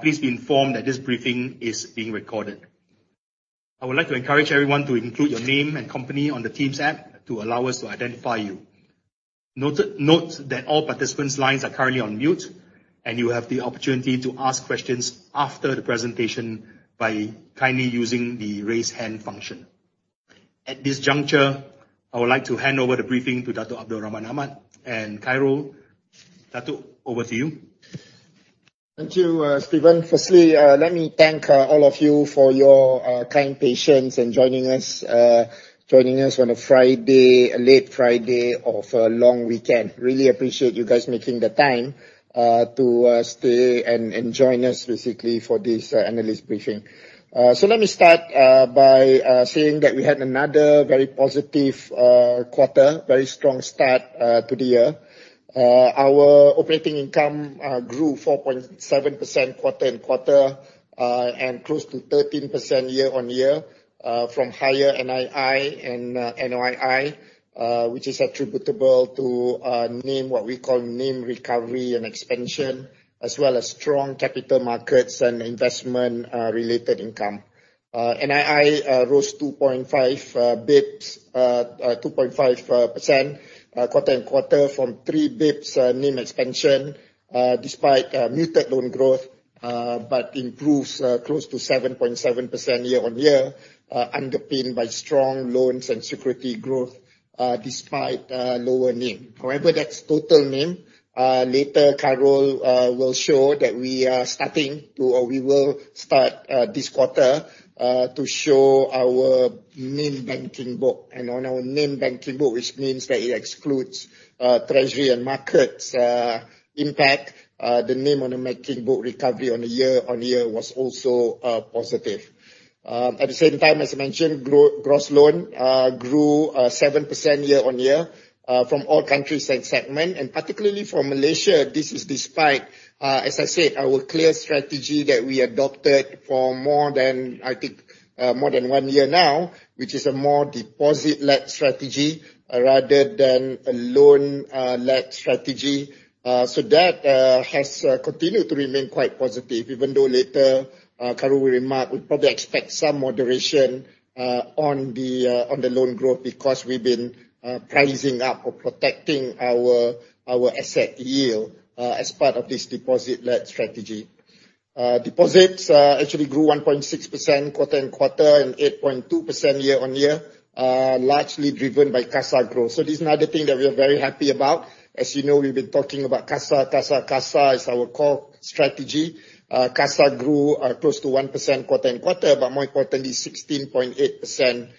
Please be informed that this briefing is being recorded. I would like to encourage everyone to include your name and company on the Teams app to allow us to identify you. Note that all participants' lines are currently on mute, and you have the opportunity to ask questions after the presentation by kindly using the raise hand function. At this juncture, I would like to hand over the briefing to Dato' Abdul Rahman Ahmad and Khairul. Dato', over to you. Thank you, Steven. Firstly, let me thank all of you for your kind patience in joining us on a late Friday of a long weekend. Really appreciate you guys making the time to stay and join us basically for this analyst briefing. Let me start by saying that we had another very positive quarter, very strong start to the year. Our operating income grew 4.7% quarter-on-quarter and close to 13% year-on-year from higher NII and NOII, which is attributable to what we call NIM recovery and expansion, as well as strong capital markets and investment related income. NII rose 2.5% quarter-on-quarter from three basis points NIM expansion, despite muted loan growth, but improves close to 7.7% year-on-year, underpinned by strong loans and security growth despite lower NIM. That's total NIM. Later, Khairul will show that we will start this quarter to show our NIM banking book. And on our NIM banking book, which means that it excludes Treasury & Markets impact, the NIM on the banking book recovery on a year-on-year was also positive. At the same time, as I mentioned, gross loan grew 7% year-on-year from all countries and segment, and particularly from Malaysia. This is despite, as I said, our clear strategy that we adopted for more than one year now, which is a more deposit-led strategy rather than a loan-led strategy. That has continued to remain quite positive, even though later, Khairul will remark, we probably expect some moderation on the loan growth because we've been pricing up or protecting our asset yield as part of this deposit-led strategy. Deposits actually grew 1.6% quarter-on-quarter and 8.2% year-on-year, largely driven by CASA growth. This is another thing that we are very happy about. As you know, we've been talking about CASA. CASA is our core strategy. CASA grew close to 1% quarter-on-quarter, but more importantly, 16.8%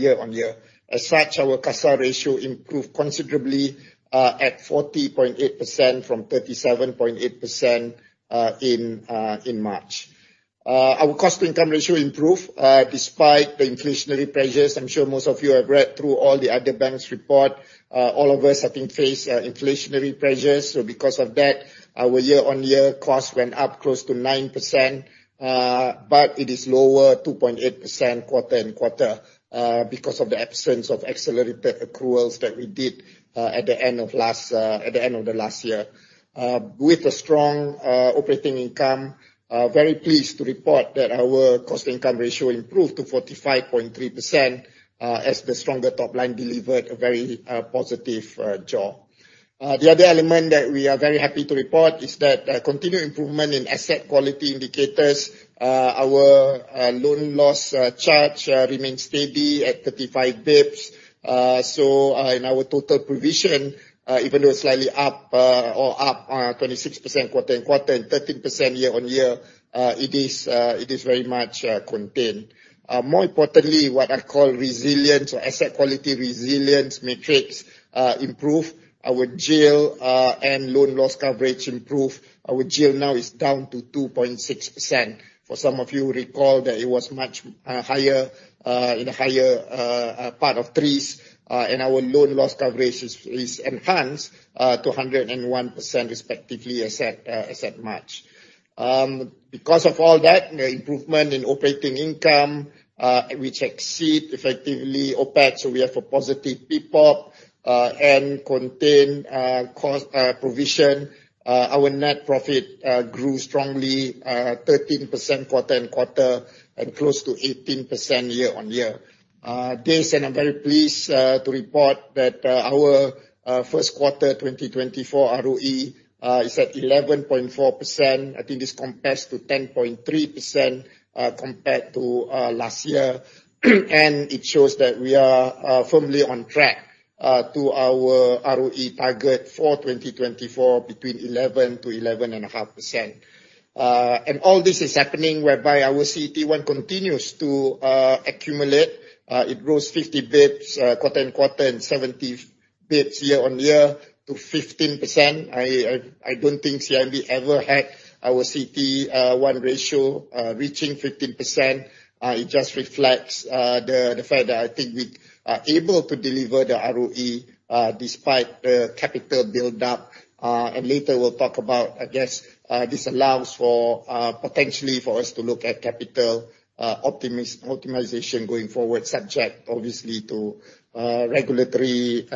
year-on-year. As such, our CASA ratio improved considerably at 40.8%, from 37.8% in March. Our cost-to-income ratio improved despite the inflationary pressures. I'm sure most of you have read through all the other banks' report. All of us, I think, face inflationary pressures. Because of that, our year-on-year cost went up close to 9%, but it is lower 2.8% quarter-on-quarter because of the absence of accelerated accruals that we did at the end of the last year. With a strong operating income, very pleased to report that our cost income ratio improved to 45.3%, as the stronger top line delivered a very positive JAWS. The other element that we are very happy to report is that continued improvement in asset quality indicators, our loan loss charge remains steady at 35 basis points. In our total provision, even though it is slightly up or up 26% quarter-on-quarter and 13% year-on-year, it is very much contained. More importantly, what I call resilience or asset quality resilience metrics improved. Our GIL and loan loss coverage improved. Our GIL now is down to 2.6%. For some of you recall that it was much higher, in the higher part of 3s. Our loan loss coverage is enhanced to 101% respectively as at March. The improvement in operating income, which exceeds effectively OpEx, we have a positive PPOP and contained cost provision. Our net profit grew strongly, 13% quarter-on-quarter at close to 18% year-on-year. I am very pleased to report that our first quarter 2024 ROE is at 11.4%. I think this compares to 10.3% compared to last year and it shows that we are firmly on track to our ROE target for 2024, between 11% to 11.5%. All this is happening whereby our CET1 continues to accumulate. It grows 50 basis points quarter-on-quarter and 70 basis points year-on-year to 15%. I don't think CIMB ever had our CET1 ratio reaching 15%. It just reflects the fact that I think we are able to deliver the ROE despite the capital build up. Later we will talk about, I guess, how this allows, potentially, for us to look at capital optimization going forward, subject obviously to regulatory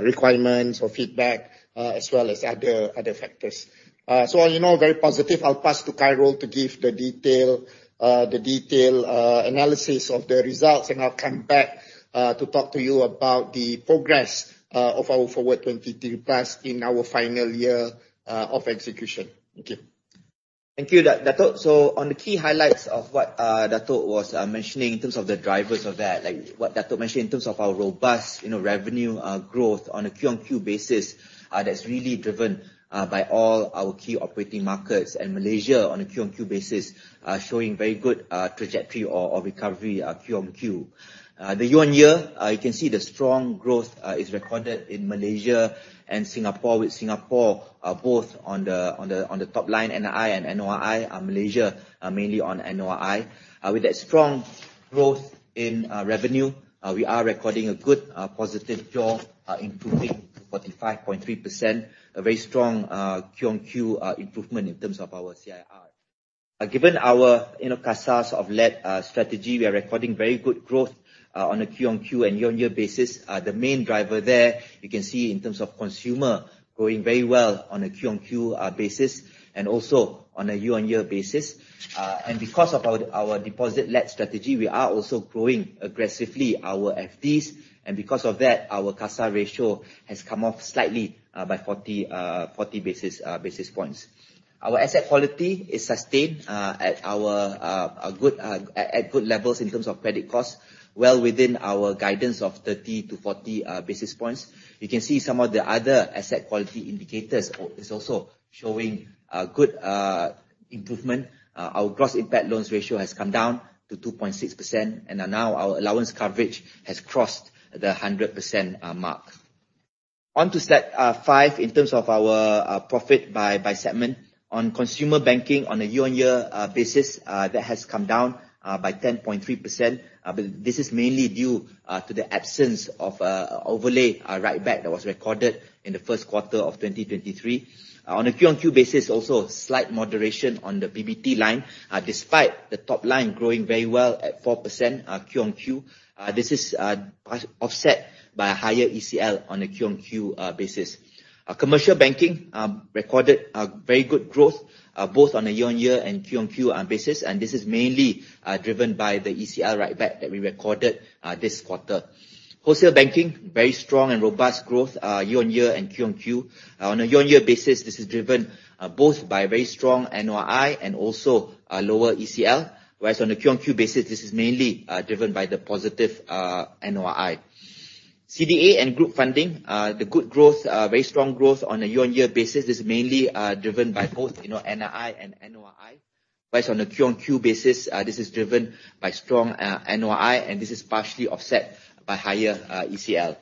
requirements or feedback as well as other factors. On a very positive, I will pass to Khairul to give the detailed analysis of the results, and I will come back to talk to you about the progress of our Forward2030+ in our final year of execution. Thank you. Thank you, Dato. On the key highlights of what Dato was mentioning in terms of the drivers of that, like what Dato mentioned in terms of our robust revenue growth on a Q-on-Q basis, that is really driven by all our key operating markets and Malaysia on a Q-on-Q basis, showing very good trajectory or recovery Q-on-Q. The year-on-year, you can see the strong growth is recorded in Malaysia and Singapore, with Singapore both on the top line NII and NOI, Malaysia, mainly on NOI. With that strong growth in revenue, we are recording a good positive JAWS, improving to 45.3%, a very strong Q-on-Q improvement in terms of our CIR. Given our CASA-led strategy, we are recording very good growth on a Q-on-Q and year-on-year basis. The main driver there, you can see in terms of consumer, growing very well on a quarter-on-quarter basis, also on a year-on-year basis. Because of our deposit led strategy, we are also growing aggressively our FDs. Because of that, our CASA ratio has come off slightly by 40 basis points. Our asset quality is sustained at good levels in terms of credit costs, well within our guidance of 30 to 40 basis points. You can see some of the other asset quality indicators is also showing good improvement. Our Gross Impaired Loans ratio has come down to 2.6%, and now our allowance coverage has crossed the 100% mark. On to slide five, in terms of our profit by segment. Consumer banking on a year-on-year basis, that has come down by 10.3%, but this is mainly due to the absence of overlay write-back that was recorded in the first quarter of 2023. A quarter-on-quarter basis, also, slight moderation on the PBT line, despite the top line growing very well at 4% quarter-on-quarter. This is offset by a higher ECL on a quarter-on-quarter basis. Commercial banking recorded a very good growth, both on a year-on-year and quarter-on-quarter basis, this is mainly driven by the ECL write-back that we recorded this quarter. Wholesale banking, very strong and robust growth, year-on-year and quarter-on-quarter. A year-on-year basis, this is driven both by very strong NOI and also a lower ECL. A quarter-on-quarter basis, this is mainly driven by the positive NOI. CDA and group funding, the good growth, very strong growth on a year-on-year basis is mainly driven by both NII and NOI, whereas on a quarter-on-quarter basis, this is driven by strong NOI, this is partially offset by higher ECL.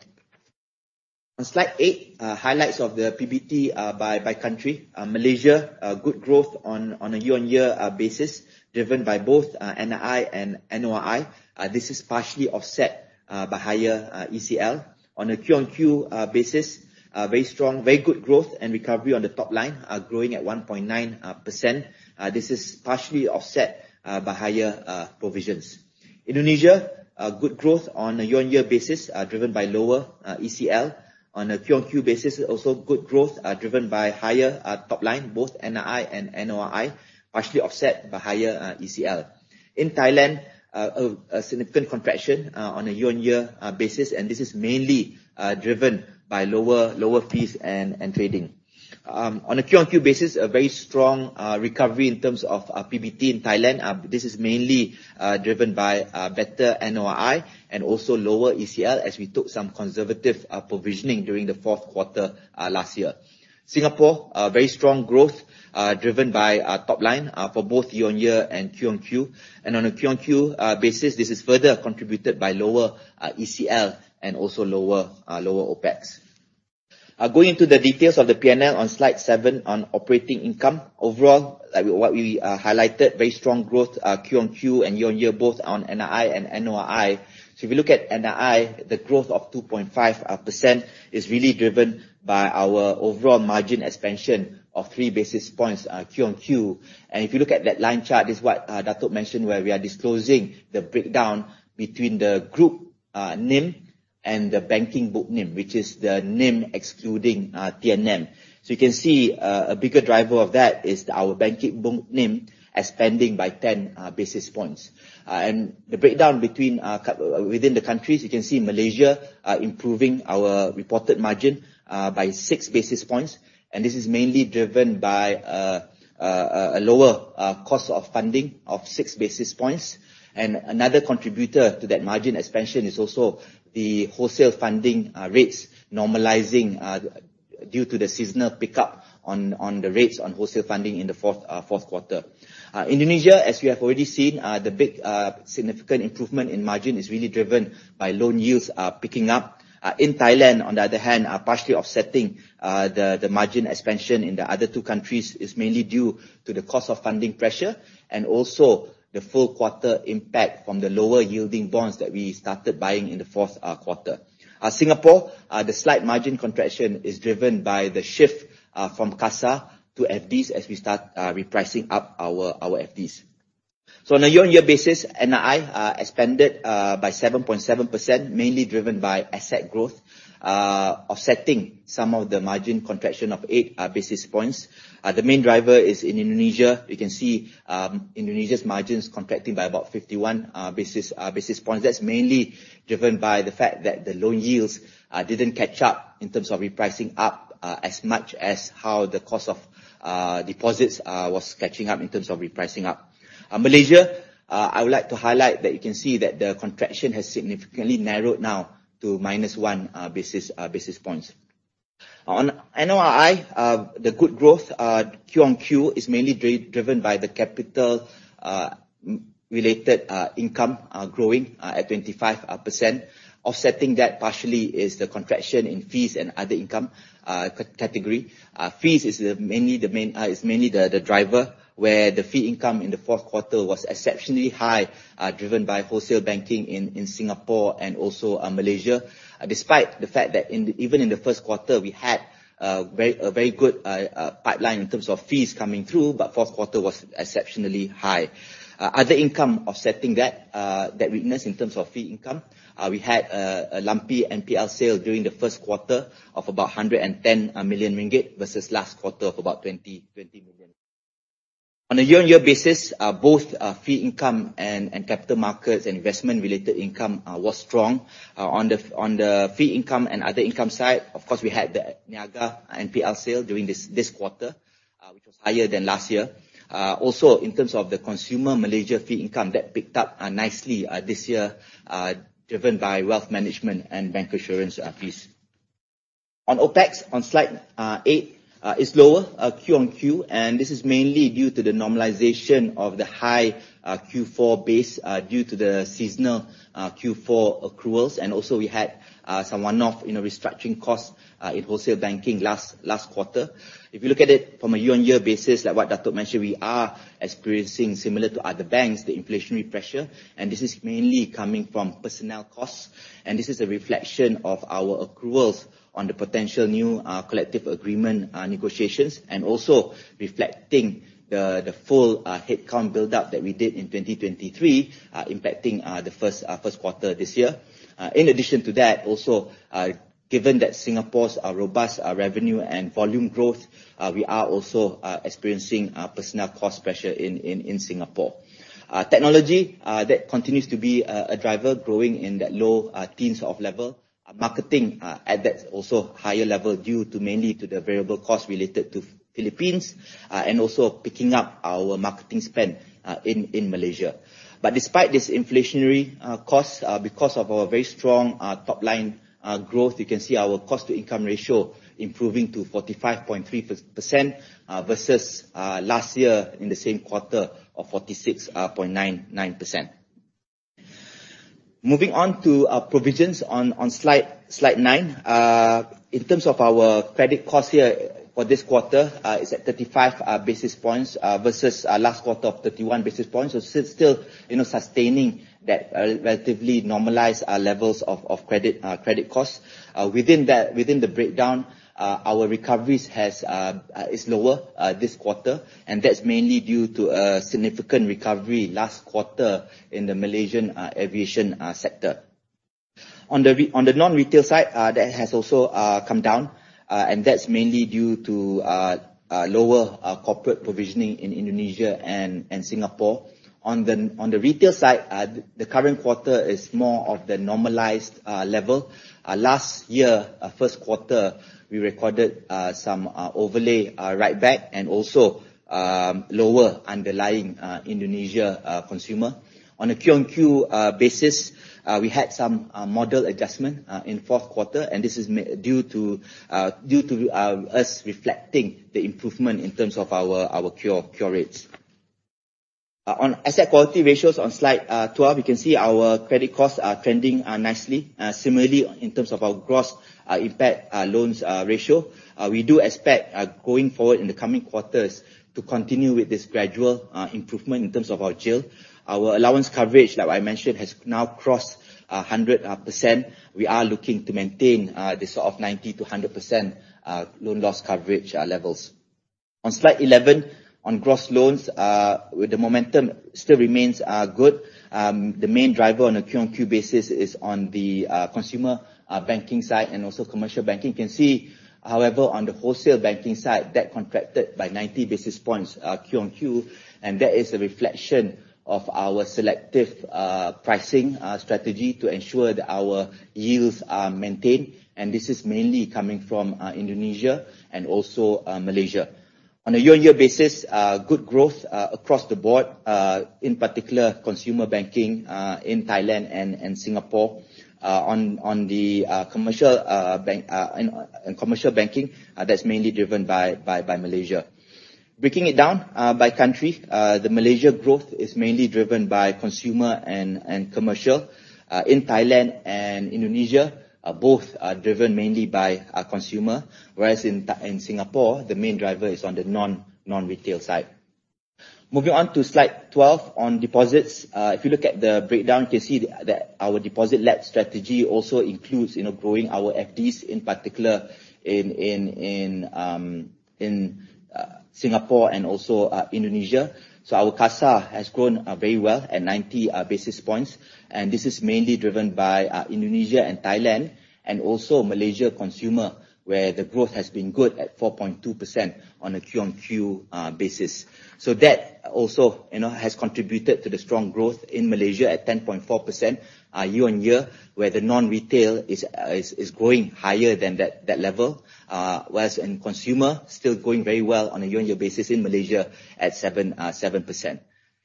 Slide eight, highlights of the PBT by country. Malaysia, good growth on a year-on-year basis, driven by both NII and NOI. This is partially offset by higher ECL. A quarter-on-quarter basis, very good growth and recovery on the top line, growing at 1.9%. This is partially offset by higher provisions. Indonesia, good growth on a year-on-year basis, driven by lower ECL. A quarter-on-quarter basis, also good growth, driven by higher top line, both NII and NOI, partially offset by higher ECL. Thailand, a significant contraction on a year-on-year basis, this is mainly driven by lower fees and trading. A quarter-on-quarter basis, a very strong recovery in terms of PBT in Thailand. This is mainly driven by better NOI and also lower ECL as we took some conservative provisioning during the fourth quarter last year. Singapore, very strong growth, driven by our top line, for both year-on-year and quarter-on-quarter. A quarter-on-quarter basis, this is further contributed by lower ECL and also lower OpEx. Going into the details of the P&L on slide seven on operating income. Overall, what we highlighted, very strong growth Q on Q and year on year, both on NII and NOI. If you look at NII, the growth of 2.5% is really driven by our overall margin expansion of three basis points Q on Q. If you look at that line chart, it's what Dato' mentioned, where we are disclosing the breakdown between the group NIM and the banking book NIM, which is the NIM excluding TNM. You can see, a bigger driver of that is our banking book NIM expanding by 10 basis points. The breakdown within the countries, you can see Malaysia improving our reported margin by six basis points, and this is mainly driven by a lower cost of funding of six basis points. Another contributor to that margin expansion is also the wholesale funding rates normalizing due to the seasonal pickup on the rates on wholesale funding in the fourth quarter. Indonesia, as we have already seen, the big significant improvement in margin is really driven by loan yields picking up. In Thailand, on the other hand, partially offsetting the margin expansion in the other two countries is mainly due to the cost of funding pressure and also the full quarter impact from the lower yielding bonds that we started buying in the fourth quarter. Singapore, the slight margin contraction is driven by the shift from CASA to FDs as we start repricing up our FDs. On a year-on-year basis, NII expanded by 7.7%, mainly driven by asset growth, offsetting some of the margin contraction of eight basis points. The main driver is in Indonesia. You can see Indonesia's margins contracting by about 51 basis points. That's mainly driven by the fact that the loan yields didn't catch up in terms of repricing up as much as how the cost of deposits was catching up in terms of repricing up. Malaysia, I would like to highlight that you can see that the contraction has significantly narrowed now to minus one basis points. On NOI, the good growth Q on Q is mainly driven by the capital-related income, growing at 25%. Offsetting that partially is the contraction in fees and other income category. Fees is mainly the driver, where the fee income in the fourth quarter was exceptionally high, driven by wholesale banking in Singapore and also Malaysia. Despite the fact that even in the first quarter, we had a very good pipeline in terms of fees coming through, but the fourth quarter was exceptionally high. Other income offsetting that weakness in terms of fee income, we had a lumpy NPL sale during the first quarter of about 110 million ringgit versus the last quarter of about 20 million. On a year-on-year basis, both fee income and capital markets and investment-related income were strong. On the fee income and other income side, of course, we had the Niaga NPL sale during this quarter, which was higher than last year. Also, in terms of the consumer Malaysia fee income, that picked up nicely this year, driven by wealth management and bank assurance fees. On OpEx, on slide eight, is lower Q on Q, and this is mainly due to the normalization of the high Q4 base due to the seasonal Q4 accruals. Also, we had some one-off in our restructuring costs in wholesale banking last quarter. If you look at it from a year-on-year basis, like what Dato' mentioned, we are experiencing, similar to other banks, the inflationary pressure. This is mainly coming from personnel costs. This is a reflection of our accruals on the potential new collective agreement negotiations and also reflecting the full headcount buildup that we did in 2023, impacting the first quarter this year. In addition to that, also, given that Singapore's robust revenue and volume growth, we are also experiencing personnel cost pressure in Singapore. Technology, that continues to be a driver growing in that low teens of level. Marketing at that also higher level due mainly to the variable cost related to the Philippines, and also picking up our marketing spend in Malaysia. Despite this inflationary cost, because of our very strong top-line growth, you can see our cost-to-income ratio improving to 45.3% versus last year in the same quarter of 46.99%. Moving on to provisions on slide nine. In terms of our credit cost here for this quarter, it's at 35 basis points versus the last quarter of 31 basis points. So still sustaining that relatively normalized levels of credit cost. Within the breakdown, our recoveries is lower this quarter, and that's mainly due to a significant recovery last quarter in the Malaysian aviation sector. On the non-retail side, that has also come down, and that's mainly due to lower corporate provisioning in Indonesia and Singapore. On the retail side, the current quarter is more of the normalized level. Last year, first quarter, we recorded some overlay write-back and also lower underlying Indonesia consumer. On a Q on Q basis, we had some model adjustment in the fourth quarter, and this is due to us reflecting the improvement in terms of our cure rates. On asset quality ratios on Slide 12, we can see our credit costs are trending nicely. Similarly, in terms of our gross impaired loans ratio, we do expect, going forward in the coming quarters, to continue with this gradual improvement in terms of our GIL. Our allowance coverage, like I mentioned, has now crossed 100%. We are looking to maintain this sort of 90%-100% loan loss coverage levels. On Slide 11, on gross loans, the momentum still remains good. The main driver on a Q on Q basis is on the consumer banking side and also commercial banking. You can see, however, on the wholesale banking side, that contracted by 90 basis points Q on Q, and that is a reflection of our selective pricing strategy to ensure that our yields are maintained, and this is mainly coming from Indonesia and also Malaysia. On a year-on-year basis, good growth across the board, in particular, consumer banking in Thailand and Singapore. On the commercial banking, that's mainly driven by Malaysia. Breaking it down by country, the Malaysia growth is mainly driven by consumer and commercial. In Thailand and Indonesia, both are driven mainly by consumer, whereas in Singapore, the main driver is on the non-retail side. Moving on to slide 12 on deposits. If you look at the breakdown, you can see that our deposit-led strategy also includes growing our FD, in particular in Singapore and also Indonesia. Our CASA has grown very well at 90 basis points, and this is mainly driven by Indonesia and Thailand, and also Malaysia consumer, where the growth has been good at 4.2% on a quarter-over-quarter basis. That also has contributed to the strong growth in Malaysia at 10.4% year-over-year, where the non-retail is growing higher than that level, whereas in consumer, still growing very well on a year-over-year basis in Malaysia at 7%.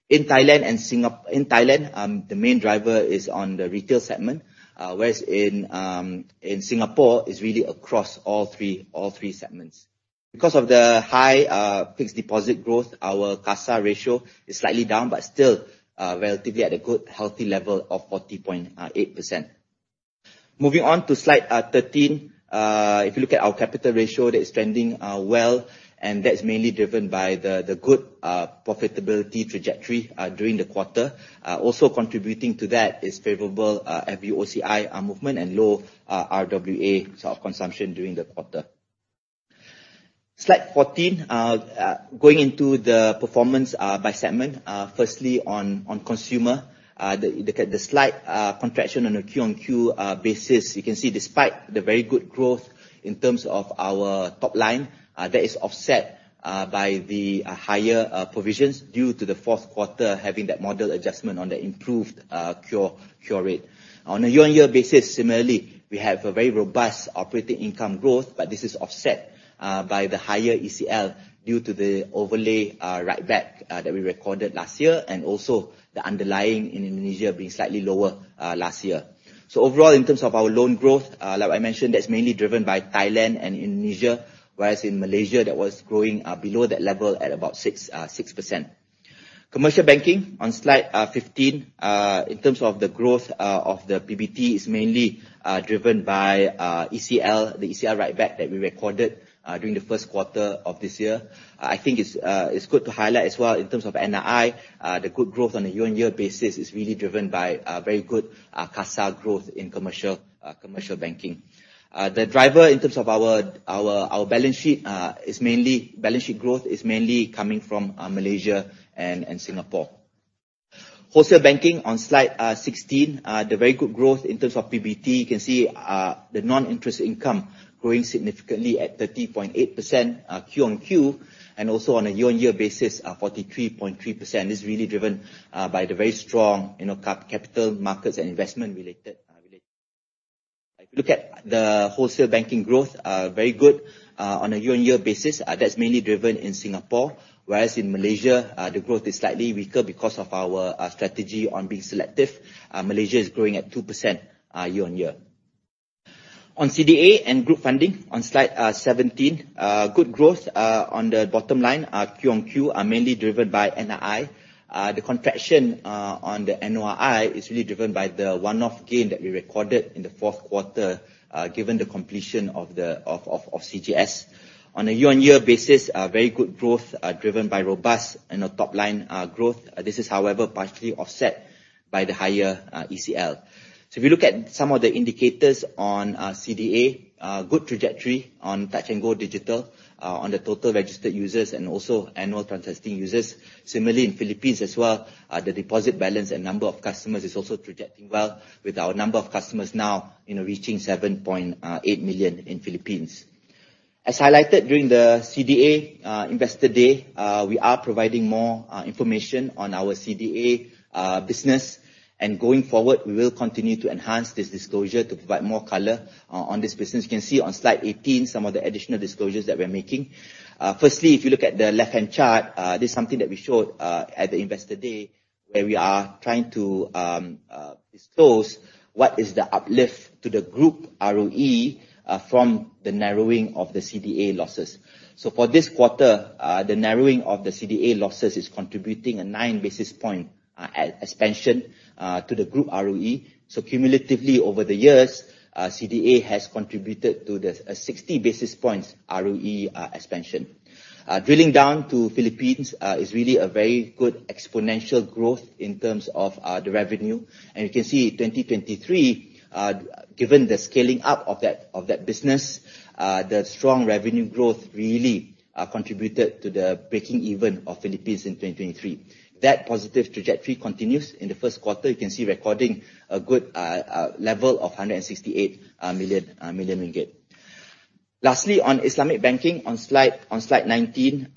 In Thailand, the main driver is on the retail segment, whereas in Singapore, it is really across all three segments. Because of the high fixed deposit growth, our CASA ratio is slightly down, but still relatively at a good, healthy level of 40.8%. Moving on to slide 13. If you look at our capital ratio, that is trending well, and that is mainly driven by the good profitability trajectory during the quarter. Also contributing to that is favorable FVOCI movement and low RWA consumption during the quarter. Slide 14, going into the performance by segment. Firstly, on consumer, the slight contraction on a quarter-over-quarter basis. You can see despite the very good growth in terms of our top line, that is offset by the higher provisions due to the fourth quarter having that model adjustment on the improved cure rate. On a year-over-year basis, similarly, we have a very robust operating income growth, but this is offset by the higher ECL due to the overlay write-back that we recorded last year, and also the underlying in Indonesia being slightly lower last year. Overall, in terms of our loan growth, like I mentioned, that is mainly driven by Thailand and Indonesia, whereas in Malaysia that was growing below that level at about 6%. Commercial banking on slide 15. In terms of the growth of the PBT, it is mainly driven by the ECL write-back that we recorded during the first quarter of this year. I think it is good to highlight as well in terms of NII, the good growth on a year-over-year basis is really driven by very good CASA growth in commercial banking. The driver in terms of our balance sheet growth, is mainly coming from Malaysia and Singapore. Wholesale banking on slide 16. The very good growth in terms of PBT, you can see the non-interest income growing significantly at 30.8% quarter-over-quarter, and also on a year-over-year basis, at 43.3%. This is really driven by the very strong capital markets and investment related. If you look at the wholesale banking growth, very good on a year-over-year basis. That is mainly driven in Singapore, whereas in Malaysia, the growth is slightly weaker because of our strategy on being selective. Malaysia is growing at 2% year-over-year. On CDA and group funding on slide 17. Good growth on the bottom line quarter-over-quarter are mainly driven by NII. The contraction on the NOI is really driven by the one-off gain that we recorded in the fourth quarter, given the completion of CGS. On a year-over-year basis, very good growth driven by robust top-line growth. This is, however, partially offset by the higher ECL. If you look at some of the indicators on CDA, good trajectory on Touch 'n Go Digital, on the total registered users, and also annual transacting users. Similarly, in Philippines as well, the deposit balance and number of customers is also projecting well with our number of customers now reaching 7.8 million in Philippines. As highlighted during the CDA Investor Day, we are providing more information on our CDA business, and going forward, we will continue to enhance this disclosure to provide more color on this business. You can see on slide 18 some of the additional disclosures that we are making. Firstly, if you look at the left-hand chart, this is something that we showed at the Investor Day, where we are trying to disclose what is the uplift to the Group ROE from the narrowing of the CDA losses. For this quarter, the narrowing of the CDA losses is contributing a 9 basis point expansion to the Group ROE. Cumulatively, over the years, CDA has contributed to the 60 basis points ROE expansion. Drilling down to Philippines is really a very good exponential growth in terms of the revenue. You can see 2023, given the scaling up of that business, the strong revenue growth really contributed to the breaking even of Philippines in 2023. That positive trajectory continues in the first quarter. You can see recording a good level of 168 million. Lastly, on Islamic banking on slide 19.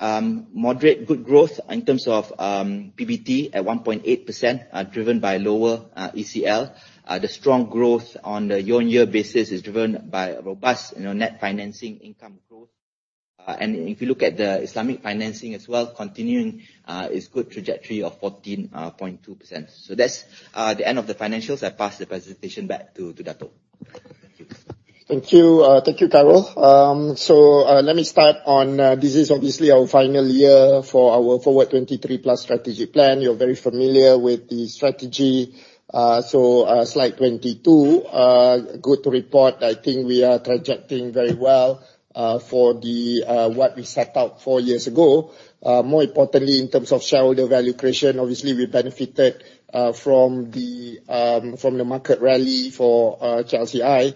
Moderate good growth in terms of PBT at 1.8% are driven by lower ECL. The strong growth on the year-on-year basis is driven by robust net financing income growth. If you look at the Islamic financing as well, continuing its good trajectory of 14.2%. That is the end of the financials. I pass the presentation back to Dato'. Thank you. Thank you, Carol. Let me start on, this is obviously our final year for our Forward23+ strategic plan. You are very familiar with the strategy. Slide 22. Good to report. I think we are trajecting very well, for what we set out four years ago. More importantly, in terms of shareholder value creation, obviously, we benefited from the market rally for CHCI.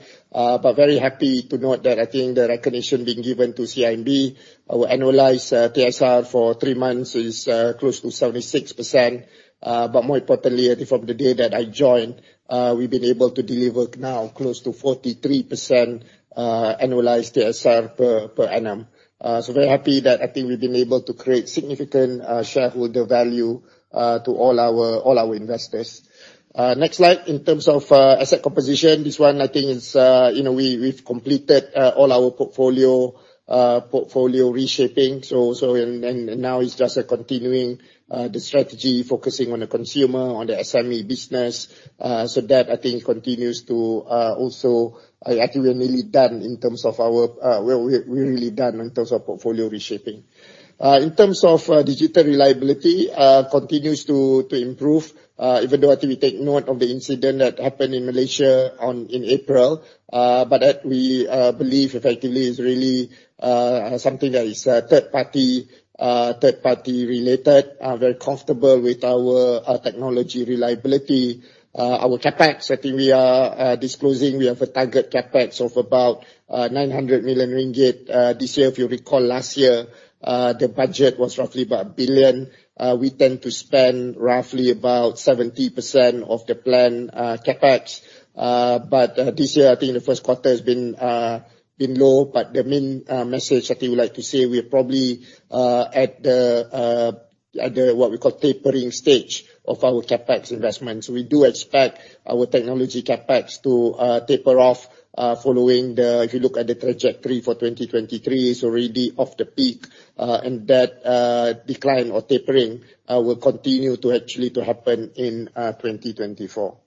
Very happy to note that, I think the recognition being given to CIMB, our annualized TSR for three months is close to 76%. More importantly, I think from the day that I joined, we have been able to deliver now close to 43% annualized TSR per annum. Very happy that I think we have been able to create significant shareholder value, to all our investors. Next slide, in terms of asset composition, this one, I think we have completed all our portfolio reshaping. Now it is just continuing the strategy, focusing on the consumer, on the SME business. That I think continues to also, we are nearly done in terms of our portfolio reshaping. In terms of digital reliability, continues to improve. Even though I think we take note of the incident that happened in Malaysia in April, that we believe effectively is really something that is third-party related. Very comfortable with our technology reliability. Our CapEx, I think we are disclosing, we have a target CapEx of about 900 million ringgit. This year, if you recall last year, the budget was roughly about 1 billion. We tend to spend roughly about 70% of the planned CapEx. This year, I think the first quarter has been low. The main message I think we would like to say, we are probably at the, what we call tapering stage of our CapEx investments. We do expect our technology CapEx to taper off, following the, if you look at the trajectory for 2023, it is already off the peak. That decline or tapering will continue to actually happen in 2024.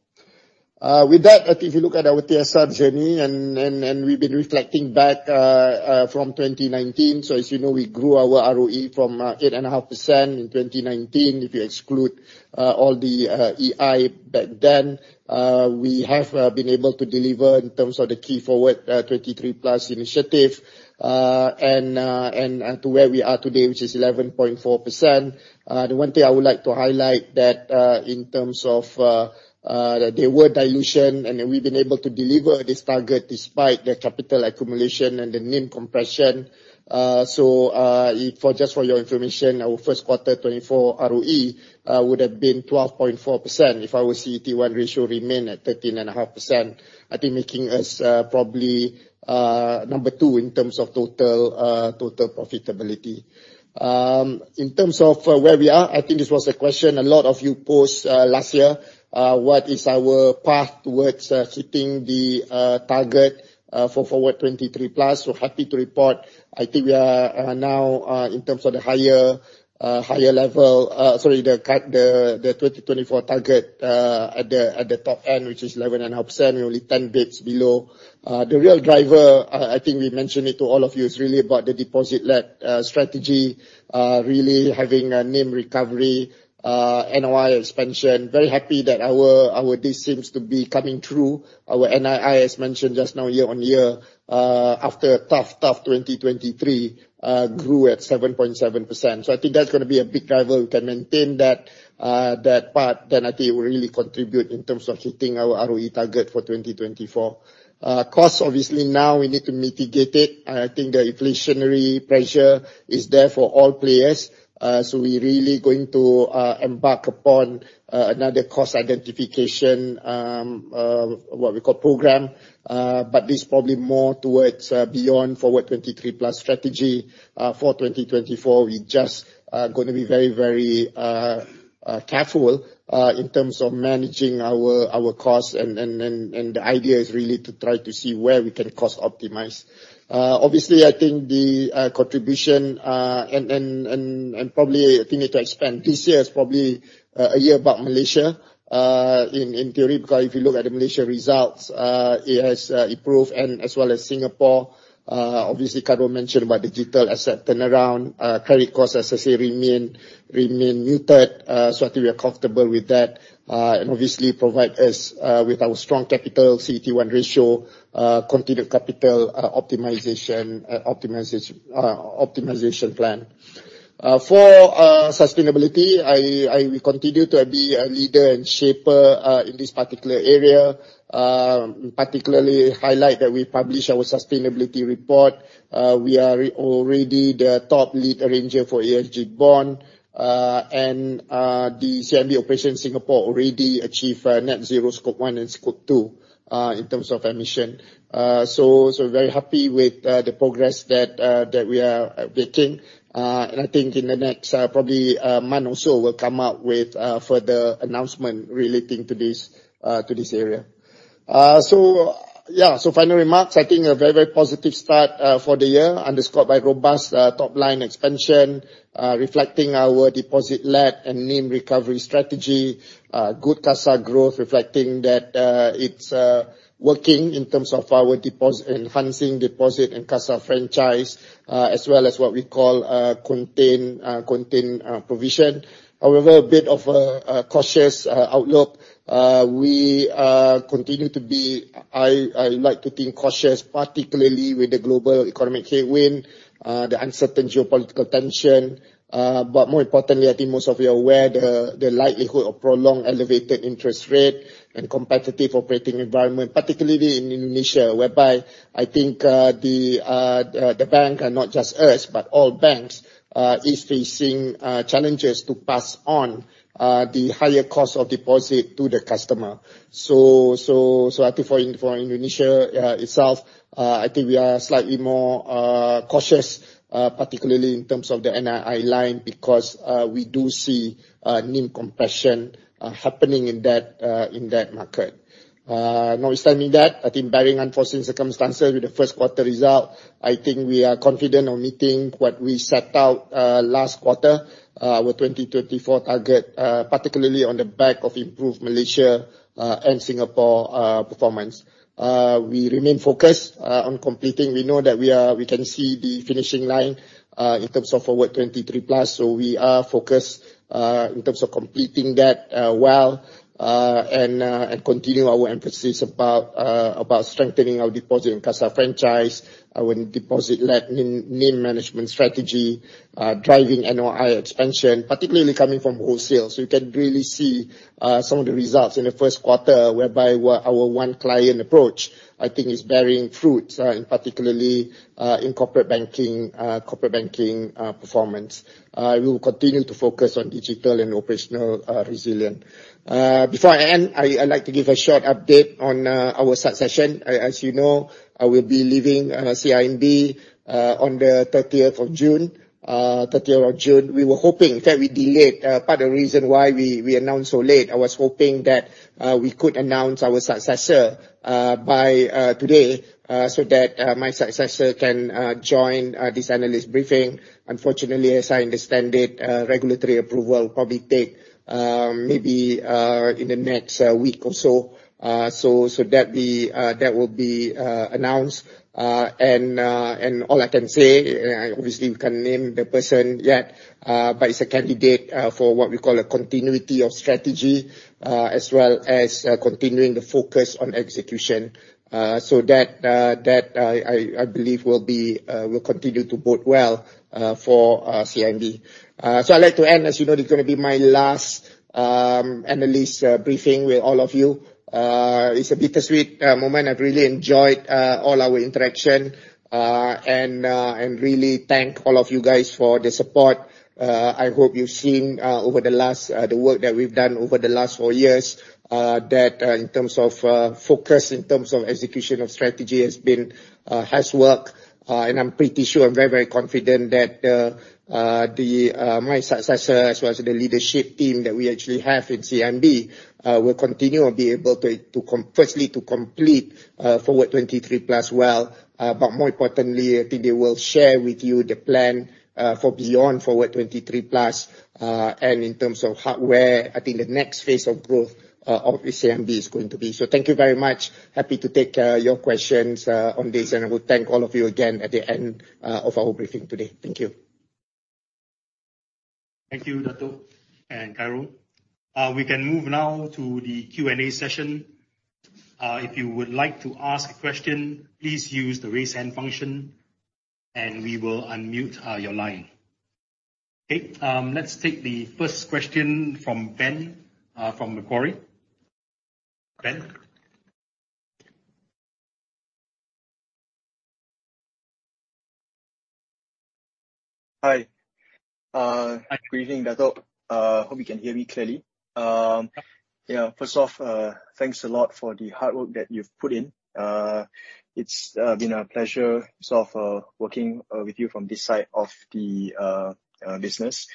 With that, if you look at our TSR journey, we have been reflecting back from 2019. As you know, we grew our ROE from 8.5% in 2019. If you exclude all the EI back then, we have been able to deliver in terms of the key Forward23+ initiative, and to where we are today, which is 11.4%. The one thing I would like to highlight that, in terms of, there were dilution, we have been able to deliver this target despite the capital accumulation and the NIM compression. Just for your information, our first quarter 2024 ROE would have been 12.4% if our CET1 ratio remained at 13.5%. I think making us, probably number 2 in terms of total profitability. In terms of where we are, I think this was a question a lot of you posed last year. What is our path towards hitting the target for Forward23+? Happy to report, I think we are now, in terms of the higher level, sorry, the 2024 target at the top end, which is 11.5%, we are only 10 basis points below. The real driver, I think we mentioned it to all of you, is really about the deposit-led strategy, really having a NIM recovery, NOI expansion. Very happy that this seems to be coming through. Our NII, as mentioned just now, year-over-year, after a tough 2023, grew at 7.7%. I think that is going to be a big driver. We can maintain that part, then I think it will really contribute in terms of hitting our ROE target for 2024. Cost, obviously now we need to mitigate it. I think the inflationary pressure is there for all players. We are really going to embark upon another cost identification, what we call program. This is probably more towards, beyond Forward23+ strategy. For 2024, we just going to be very careful, in terms of managing our costs and the idea is really to try to see where we can cost optimize. Obviously, I think the contribution, and probably a thing to expand, this year is probably a year about Malaysia, in theory, because if you look at the Malaysia results, it has improved and as well as Singapore. Obviously, Carol mentioned about digital asset turnaround, carry costs as I say, remain muted. I think we are comfortable with that, and obviously provide us with our strong capital CET1 ratio, continued capital optimization plan. For sustainability, we continue to be a leader and shaper in this particular area. Particularly highlight that we published our sustainability report. We are already the top lead arranger for ESG bond. The CIMB operation Singapore already achieved net zero scope 1 and scope 2, in terms of emission. We are very happy with the progress that we are making. I think in the next, probably Manasa will come up with further announcement relating to this area. Yeah. Final remarks, I think a very positive start for the year underscored by robust top line expansion, reflecting our deposit led and NIM recovery strategy. Good CASA growth reflecting that it is working in terms of our deposit and financing deposit and CASA franchise, as well as what we call contained provision. A bit of a cautious outlook. We continue to be, I like to think cautious, particularly with the global economic headwind, the uncertain geopolitical tension. More importantly, I think most of you are aware the likelihood of prolonged elevated interest rate and competitive operating environment, particularly in Indonesia, whereby I think the bank, and not just us, but all banks is facing challenges to pass on the higher cost of deposit to the customer. I think for Indonesia itself, I think we are slightly more cautious, particularly in terms of the NII line, because we do see NIM compression happening in that market. Notwithstanding that, I think barring unforeseen circumstances with the first quarter result, I think we are confident on meeting what we set out last quarter with 2024 target, particularly on the back of improved Malaysia and Singapore performance. We remain focused on completing. We know that we can see the finishing line in terms of our Forward23+, we are focused in terms of completing that well, and continue our emphasis about strengthening our deposit and CASA franchise, our deposit-led NIM management strategy, driving NOI expansion, particularly coming from wholesale. We can really see some of the results in the first quarter, whereby our one client approach, I think, is bearing fruit, particularly in corporate banking performance. We will continue to focus on digital and operational resilience. Before I end, I'd like to give a short update on our succession. As you know, I will be leaving CIMB on the 30th of June. We were hoping that we delay it. Part of the reason why we announced so late, I was hoping that we could announce our successor by today, that my successor can join this analyst briefing. Unfortunately, as I understand it, regulatory approval will probably take maybe in the next week or so. That will be announced. All I can say, obviously, we can't name the person yet, but it's a candidate for what we call a continuity of strategy, as well as continuing the focus on execution. That, I believe, will continue to bode well for CIMB. I'd like to end, as you know, this is going to be my last analysts' briefing with all of you. It's a bittersweet moment. I've really enjoyed all our interaction, and really thank all of you guys for the support. I hope you've seen the work that we've done over the last four years, that in terms of focus, in terms of execution of strategy has worked, and I'm pretty sure, I'm very confident that my successor, as well as the leadership team that we actually have in CIMB, will continue and be able firstly, to complete Forward23+ well. More importantly, I think they will share with you the plan for beyond Forward23+, and in terms of where, I think the next phase of growth of CIMB is going to be. Thank you very much. Happy to take your questions on this. I would thank all of you again at the end of our briefing today. Thank you. Thank you, Dato' and Khairul. We can move now to the Q&A session. If you would like to ask a question, please use the raise hand function. We will unmute your line. Let's take the first question from Ben, from Macquarie. Ben? Hi. Hi. Good evening, Dato'. Hope you can hear me clearly. Yes. First off, thanks a lot for the hard work that you've put in. It's been a pleasure working with you from this side of the business.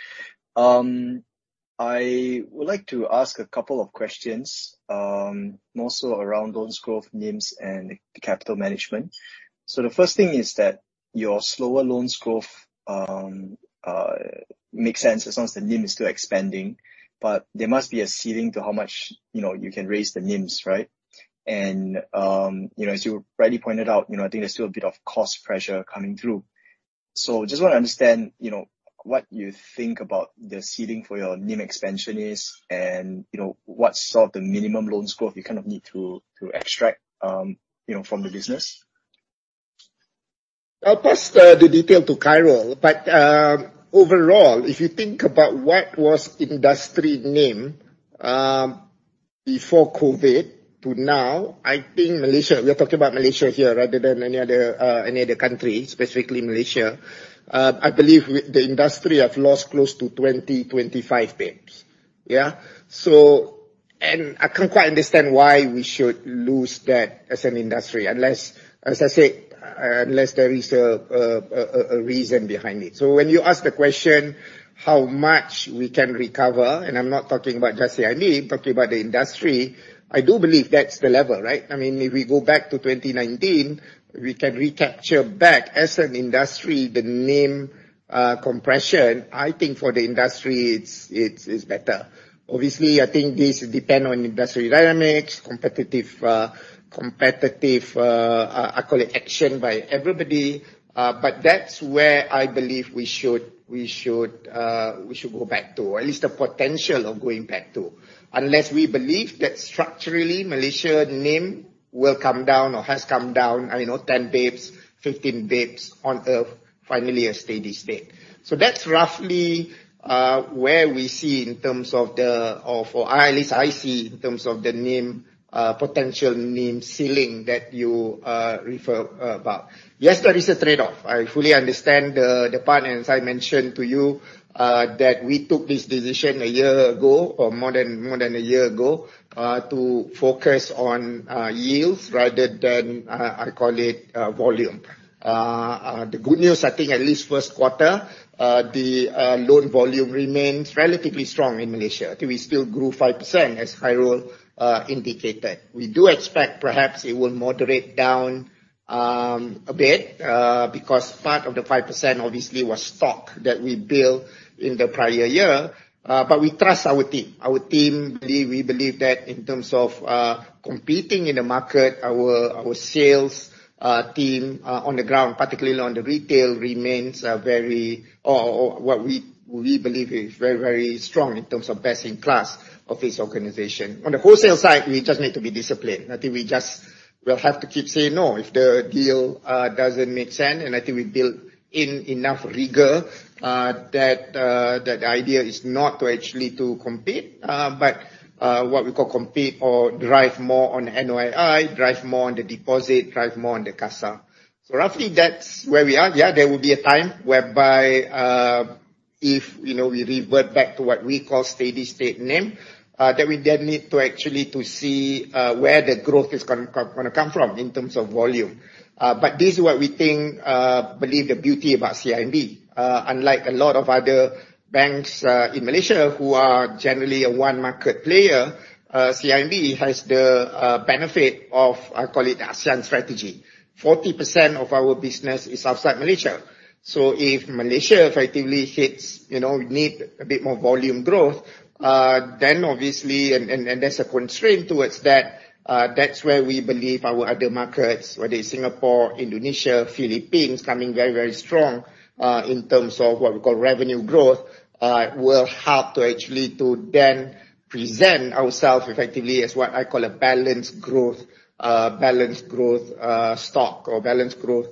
I would like to ask a couple of questions, more so around loans growth, NIMs, and capital management. The first thing is that your slower loans growth makes sense as long as the NIM is still expanding, but there must be a ceiling to how much you can raise the NIMs, right? As you rightly pointed out, I think there's still a bit of cost pressure coming through. Just want to understand, what you think about the ceiling for your NIM expansion is, and what's sort of the minimum loans growth you kind of need to extract from the business. I'll pass the detail to Khairul. Overall, if you think about what was industry NIM, before COVID to now, I think Malaysia, we are talking about Malaysia here rather than any other country, specifically Malaysia. I believe the industry have lost close to 20, 25 basis points. I can't quite understand why we should lose that as an industry, as I said, unless there is a reason behind it. When you ask the question, how much we can recover, and I'm not talking about just CIMB, I'm talking about the industry. I do believe that's the level, right? If we go back to 2019, we can recapture back as an industry, the NIM compression. I think for the industry, it's better. I think this depend on industrial dynamics, competitive, I call it action by everybody. That's where I believe we should go back to, or at least the potential of going back to. Unless we believe that structurally, Malaysia NIM will come down or has come down, 10 basis points, 15 basis points on a finally a steady state. That's roughly where we see in terms of the, or at least I see in terms of the potential NIM ceiling that you refer about. There is a trade-off. I fully understand the part, as I mentioned to you, we took this decision a year ago or more than a year ago. To focus on yields rather than, I call it, volume. The good news, I think at least first quarter, the loan volume remains relatively strong in Malaysia. I think we still grew 5%, as Khairul indicated. We do expect perhaps it will moderate down a bit, because part of the 5% obviously was stock that we built in the prior year. We trust our team. Our team, we believe that in terms of competing in the market, our sales team on the ground, particularly on the retail, remains very or what we believe is very strong in terms of best-in-class of this organization. On the wholesale side, we just need to be disciplined. I think we just will have to keep saying no if the deal doesn't make sense, I think we built in enough rigor that the idea is not to actually to compete, but what we call compete or drive more on NOII, drive more on the deposit, drive more on the CASA. Roughly that's where we are. There will be a time whereby, if we revert back to what we call steady-state NIM, that we then need to actually to see where the growth is going to come from in terms of volume. This is what we think, believe the beauty about CIMB. Unlike a lot of other banks in Malaysia who are generally a one market player, CIMB has the benefit of, I call it, ASEAN strategy. 40% of our business is outside Malaysia. If Malaysia effectively hits, we need a bit more volume growth, obviously, and there's a constraint towards that's where we believe our other markets, whether it's Singapore, Indonesia, Philippines, coming very, very strong, in terms of what we call revenue growth, will help to actually to then present ourselves effectively as what I call a balanced growth stock or balanced growth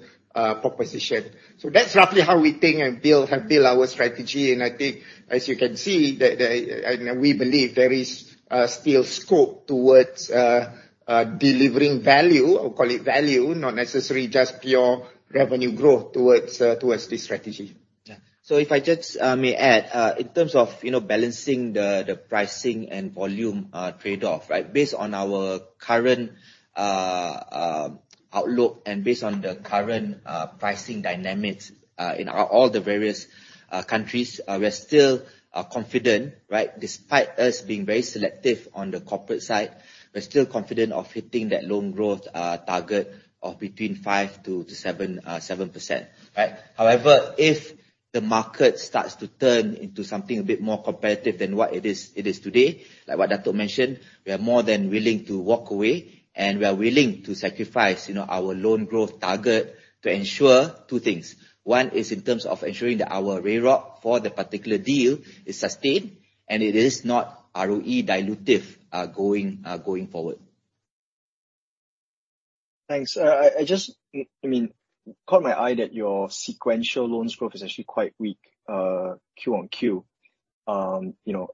proposition. That's roughly how we think and build our strategy, and I think as you can see, and we believe there is still scope towards delivering value, I'll call it value, not necessarily just pure revenue growth towards this strategy. Yeah. If I just may add, in terms of balancing the pricing and volume trade-off. Based on our current outlook and based on the current pricing dynamics in all the various countries, we are still confident. Despite us being very selective on the corporate side, we're still confident of hitting that loan growth target of between 5%-7%. However, if the market starts to turn into something a bit more competitive than what it is today, like what Dato' mentioned, we are more than willing to walk away, and we are willing to sacrifice our loan growth target to ensure two things. One is in terms of ensuring that our ROIC for the particular deal is sustained, and it is not ROE dilutive going forward. Thanks. It just caught my eye that your sequential loans growth is actually quite weak Q on Q. If you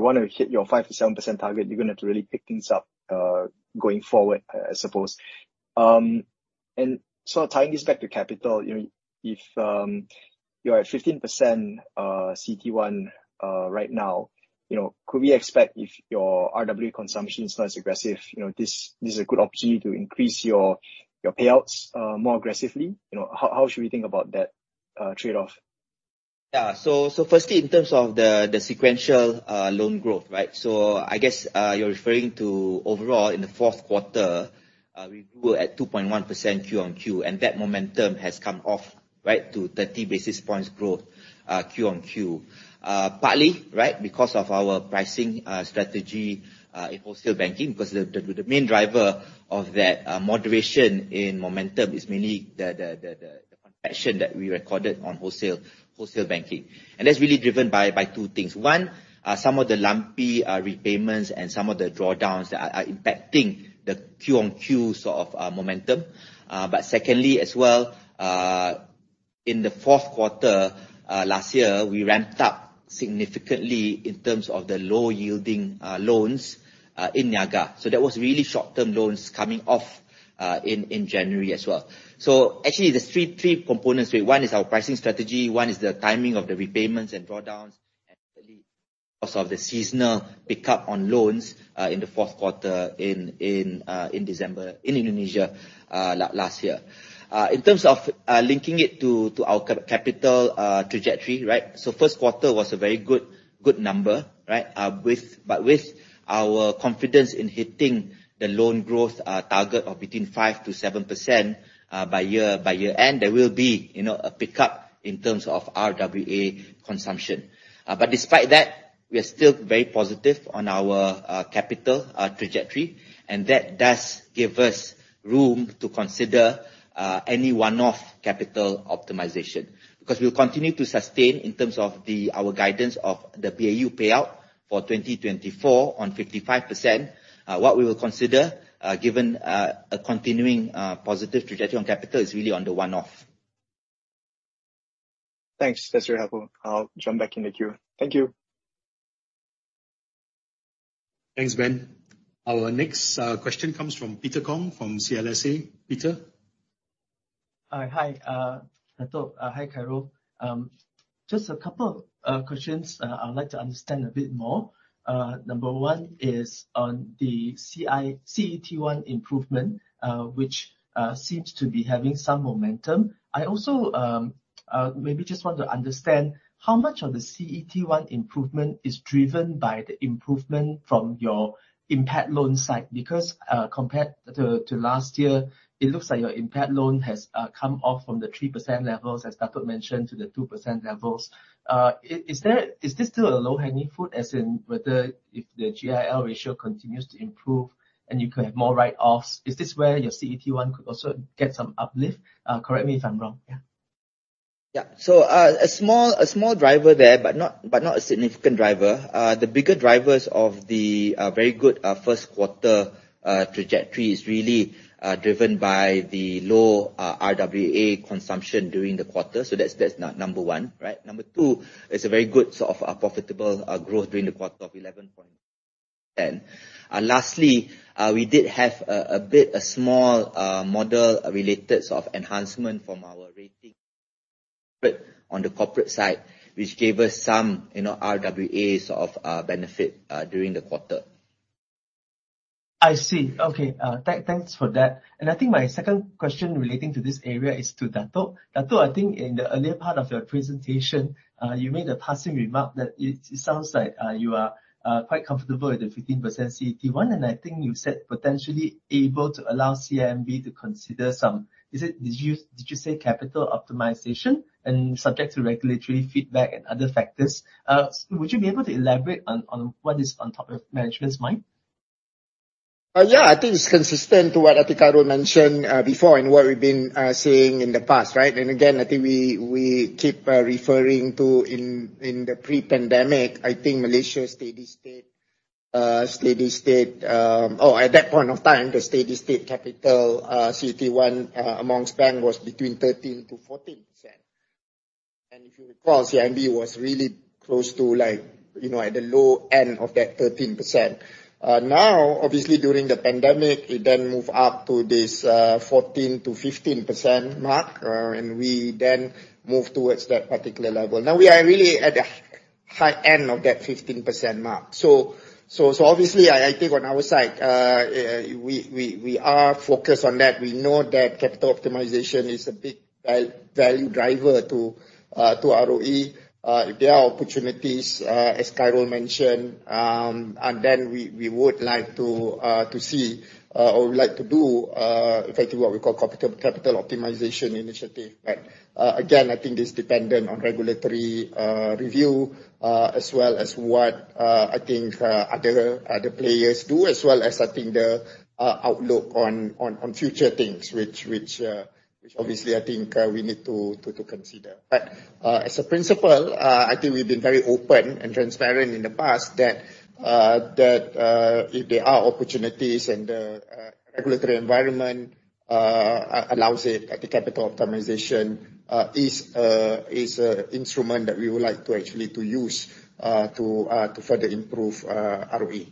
want to hit your 5%-7% target, you're going to have to really pick things up, going forward, I suppose. Tying this back to capital, if you're at 15% CET1 right now, could we expect if your RWA consumption is not as aggressive, this is a good opportunity to increase your payouts more aggressively? How should we think about that trade-off? Yeah. Firstly, in terms of the sequential loan growth. I guess, you're referring to overall in the fourth quarter, we grew at 2.1% Q on Q, and that momentum has come off to 30 basis points growth Q on Q. Partly because of our pricing strategy in wholesale banking, because the main driver of that moderation in momentum is mainly the contraction that we recorded on wholesale banking. That's really driven by two things. One, some of the lumpy repayments and some of the drawdowns that are impacting the Q on Q momentum. Secondly, as well, in the fourth quarter last year, we ramped up significantly in terms of the low-yielding loans in Niaga. That was really short-term loans coming off in January as well. Actually, there's three components to it. One is our pricing strategy, one is the timing of the repayments and drawdowns, and thirdly, also of the seasonal pickup on loans in the fourth quarter in December in Indonesia, last year. In terms of linking it to our capital trajectory. First quarter was a very good number. With our confidence in hitting the loan growth target of between 5% to 7% by year end, there will be a pickup in terms of RWA consumption. Despite that, we are still very positive on our capital trajectory, and that does give us room to consider any one-off capital optimization. We'll continue to sustain in terms of our guidance of the BAU payout for 2024 on 55%. What we will consider, given a continuing positive trajectory on capital is really on the one-off. Thanks. That's very helpful. I'll jump back in the queue. Thank you. Thanks, Ben. Our next question comes from Peter Kong from CLSA. Peter? Hi, Dato. Hi, Khairul. Just a couple of questions I would like to understand a bit more. Number 1 is on the CET1 improvement, which seems to be having some momentum. I also maybe just want to understand how much of the CET1 improvement is driven by the improvement from your impaired loan side. Compared to last year, it looks like your impaired loan has come off from the 3% levels, as Dato mentioned, to the 2% levels. Is this still a low-hanging fruit, as in whether if the GIL ratio continues to improve and you could have more write-offs, is this where your CET1 could also get some uplift? Correct me if I'm wrong. Yeah. Yeah. A small driver there, but not a significant driver. The bigger drivers of the very good first quarter trajectory is really driven by the low RWA consumption during the quarter. That's number 1, right? Number 2, it's a very good profitable growth during the quarter of eleven point Lastly, we did have a bit, a small model related enhancement from our rating on the corporate side, which gave us some RWAs of benefit during the quarter. I see. Okay. Thanks for that. I think my second question relating to this area is to Dato. Dato, I think in the earlier part of your presentation, you made a passing remark that it sounds like you are quite comfortable with the 15% CET1, and I think you said potentially able to allow CIMB to consider some Did you say capital optimization and subject to regulatory feedback and other factors? Would you be able to elaborate on what is on top of management's mind? Yeah, I think it's consistent to what Khairul mentioned before and what we've been saying in the past, right? Again, I think we keep referring to in the pre-pandemic, I think Malaysia steady state, or at that point of time, the steady state capital, CET1 amongst bank was between 13%-14%. If you recall, CIMB was really close to at the low end of that 13%. Obviously, during the pandemic, it then moved up to this, 14%-15% mark, and we then moved towards that particular level. We are really at the high end of that 15% mark. Obviously, I think on our side, we are focused on that. We know that capital optimization is a big value driver to ROE. If there are opportunities, as Khairul mentioned, we would like to see, or we would like to do effectively what we call capital optimization initiative, right? I think it's dependent on regulatory review, as well as what I think other players do, as well as, I think, the outlook on future things, which obviously, I think, we need to consider. As a principle, I think we've been very open and transparent in the past that if there are opportunities and the regulatory environment allows it, the capital optimization is an instrument that we would like to actually use to further improve ROE.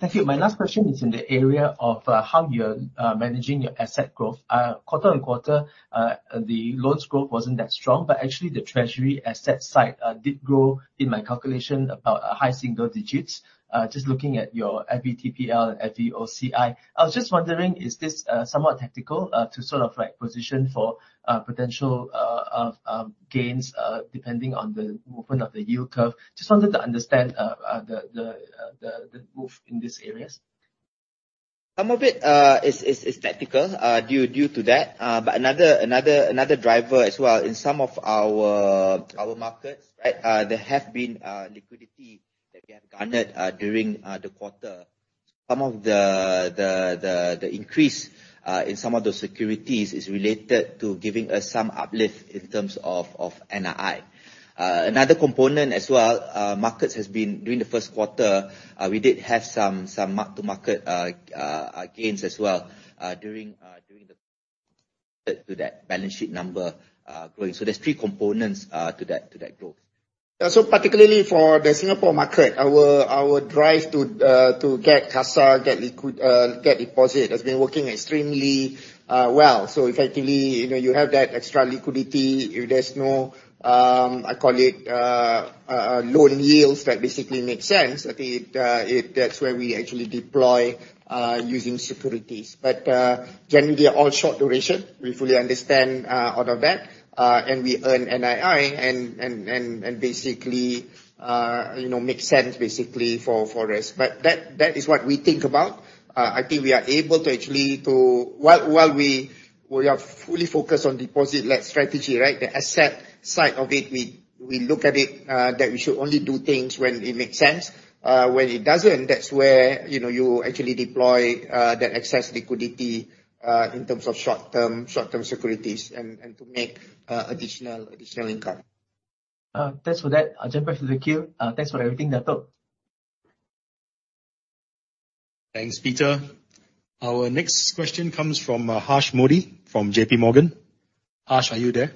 Thank you. My last question is in the area of how you're managing your asset growth. Quarter-on-quarter, the loans growth wasn't that strong, but actually, the treasury asset side did grow, in my calculation, about a high single digits. Just looking at your FVTPL and FVOCI. I was just wondering, is this somewhat tactical to position for potential gains, depending on the movement of the yield curve? Just wanted to understand the move in these areas. Some of it is tactical due to that. Another driver as well, in some of our markets, there have been liquidity that we have garnered during the quarter. Some of the increase in some of those securities is related to giving us some uplift in terms of NII. Another component as well, markets has been, during the first quarter, we did have some mark-to-market gains as well to that balance sheet number growing. There's three components to that growth. Particularly for the Singapore market, our drive to get CASA, get deposit, has been working extremely well. Effectively, you have that extra liquidity. If there's no, I call it, loan yields that basically make sense, I think that's where we actually deploy using securities. Generally, they're all short duration. We fully understand out of that, and we earn NII and basically make sense for us. That is what we think about. I think we are able to actually While we are fully focused on deposit-led strategy, the asset side of it, we look at it, that we should only do things when it makes sense. When it doesn't, that's where you actually deploy that excess liquidity, in terms of short-term securities and to make additional income. Thanks for that. I'll jump back to the queue. Thanks for everything, Dato'. Thanks, Peter. Our next question comes from Harsh Modi, from JP Morgan. Harsh, are you there?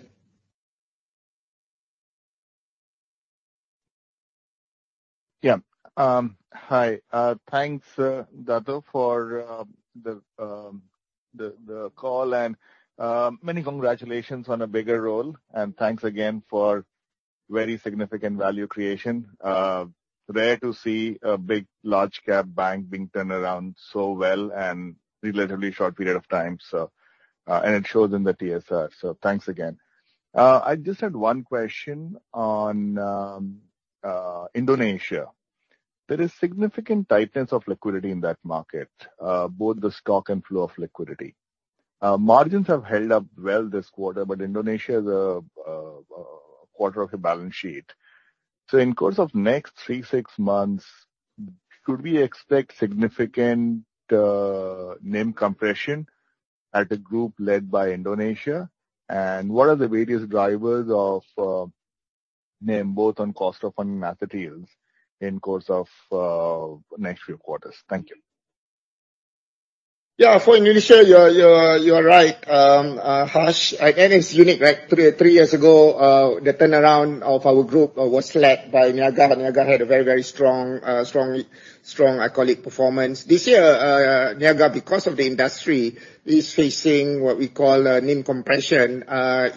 Yeah. Hi. Thanks, Dato, for the call and many congratulations on a bigger role, and thanks again for very significant value creation. Rare to see a big large cap bank being turned around so well in a relatively short period of time. It shows in the TSR. Thanks again. I just had one question on Indonesia. There is significant tightness of liquidity in that market, both the stock and flow of liquidity. Margins have held up well this quarter, but Indonesia is a quarter of a balance sheet. In course of next three, six months, could we expect significant NIM compression at a group led by Indonesia? What are the various drivers of NIM, both on cost of funding materials in course of next few quarters? Thank you. Yeah. For Indonesia, you are right, Harsh. Again, it's unique, right? Three years ago, the turnaround of our group was led by Niaga. Niaga had a very strong iconic performance. This year, Niaga, because of the industry, is facing what we call a NIM compression.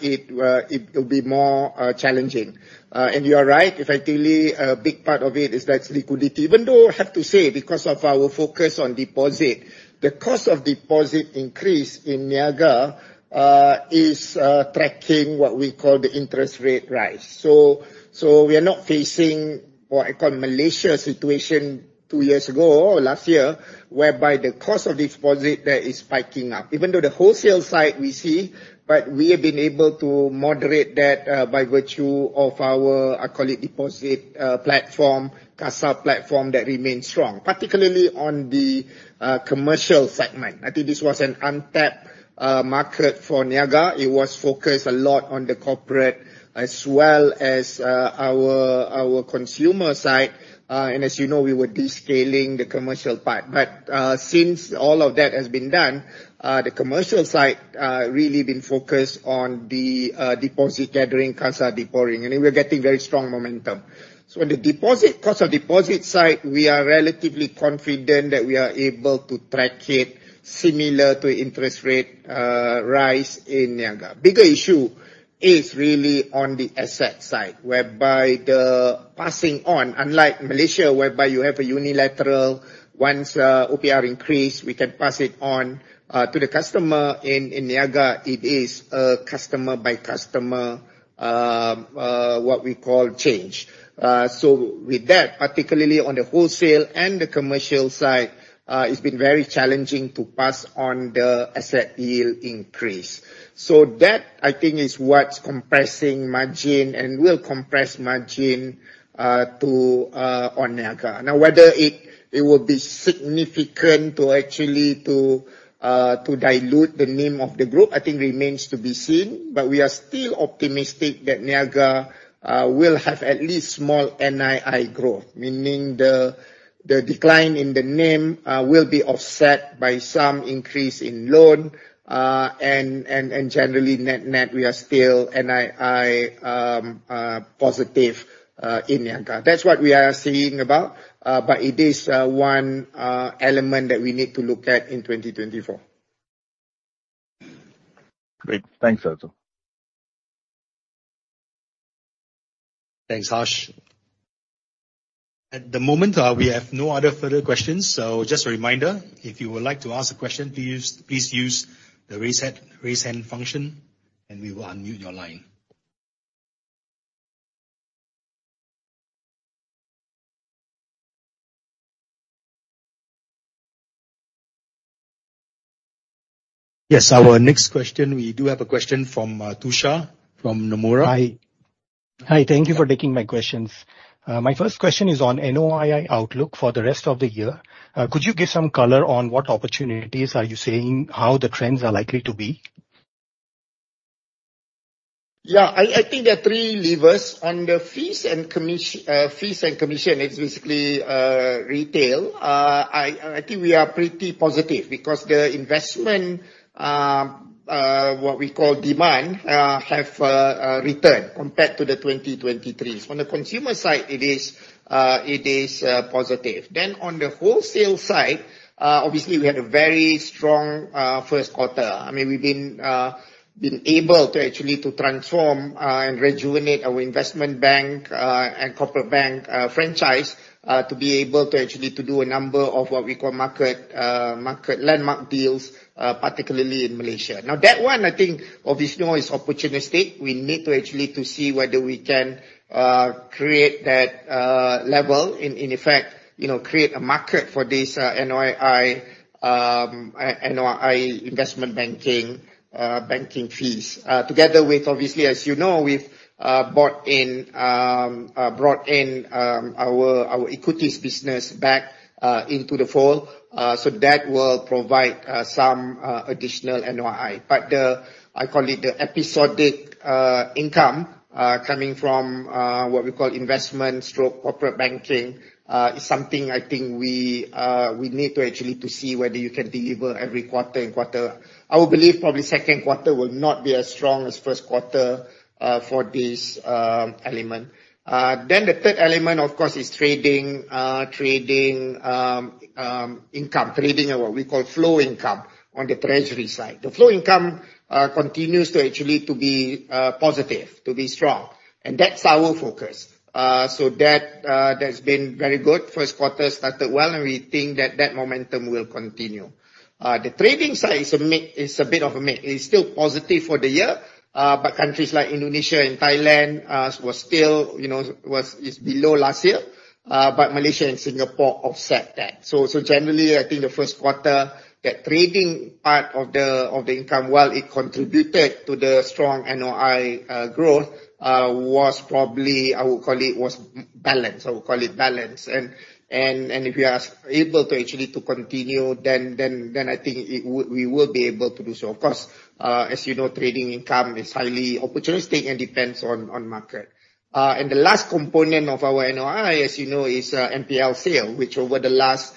It will be more challenging. You are right, effectively, a big part of it is that liquidity. Even though, I have to say, because of our focus on deposit, the cost of deposit increase in Niaga is tracking what we call the interest rate rise. We are not facing what I call Malaysia situation two years ago or last year, whereby the cost of deposit there is spiking up. Even though the wholesale side we see, we have been able to moderate that by virtue of our, I call it deposit platform, CASA platform that remains strong, particularly on the commercial segment. I think this was an untapped market for Niaga. It was focused a lot on the corporate as well as our consumer side. As you know, we were descaling the commercial part. Since all of that has been done, the commercial side really been focused on the deposit gathering, CASA deployment, and we're getting very strong momentum. On the cost of deposit side, we are relatively confident that we are able to track it similar to interest rate rise in Niaga. Bigger issue is really on the asset side, whereby the passing on, unlike Malaysia, whereby you have a unilateral, once OPR increase, we can pass it on to the customer. In Niaga, it is a customer by customer, what we call change. With that, particularly on the wholesale and the commercial side, it's been very challenging to pass on the asset yield increase. That, I think is what's compressing margin and will compress margin on CIMB Niaga. Now, whether it will be significant to actually to dilute the NIM of the group, I think remains to be seen, but we are still optimistic that CIMB Niaga will have at least small NII growth, meaning the decline in the NIM will be offset by some increase in loan, and generally net, we are still NII positive in CIMB Niaga. That's what we are saying about, but it is one element that we need to look at in 2024. Great. Thanks, Dato. Thanks, Harsh. At the moment, we have no other further questions. Just a reminder, if you would like to ask a question, please use the raise hand function and we will unmute your line. Yes, our next question, we do have a question from Tushar from Nomura. Hi. Thank you for taking my questions. My first question is on NOII outlook for the rest of the year. Could you give some color on what opportunities are you seeing, how the trends are likely to be? I think there are three levers. On the fees and commission, it's basically retail. I think we are pretty positive because the investment, what we call demand, have returned compared to 2023. On the consumer side, it is positive. On the wholesale side, obviously, we had a very strong first quarter. We've been able to actually to transform and rejuvenate our investment bank and corporate bank franchise to be able to actually to do a number of what we call market landmark deals, particularly in Malaysia. That one, I think obviously now is opportunistic. We need to actually to see whether we can create that level, in effect, create a market for this NOII investment banking fees. Together with, obviously, as you know, we've brought in our equities business back into the fold. That will provide some additional NOII. The, I call it the episodic income, coming from what we call investment/corporate banking, is something I think we need to actually to see whether you can deliver every quarter. I would believe probably second quarter will not be as strong as first quarter for this element. The third element, of course, is trading. Income trading, or what we call flow income, on the Treasury & Markets side. The flow income continues to actually be positive, to be strong, and that's our focus. That's been very good. First quarter started well, and we think that that momentum will continue. The trading side is a bit of a mix. It's still positive for the year. Countries like Indonesia and Thailand, was below last year, but Malaysia and Singapore offset that. Generally, I think the first quarter, that trading part of the income, while it contributed to the strong NOI growth, was probably, I would call it, was balanced. If we are able to actually continue, I think we will be able to do so. Of course, as you know, trading income is highly opportunistic and depends on market. The last component of our NOI, as you know, is NPL sale, which over the last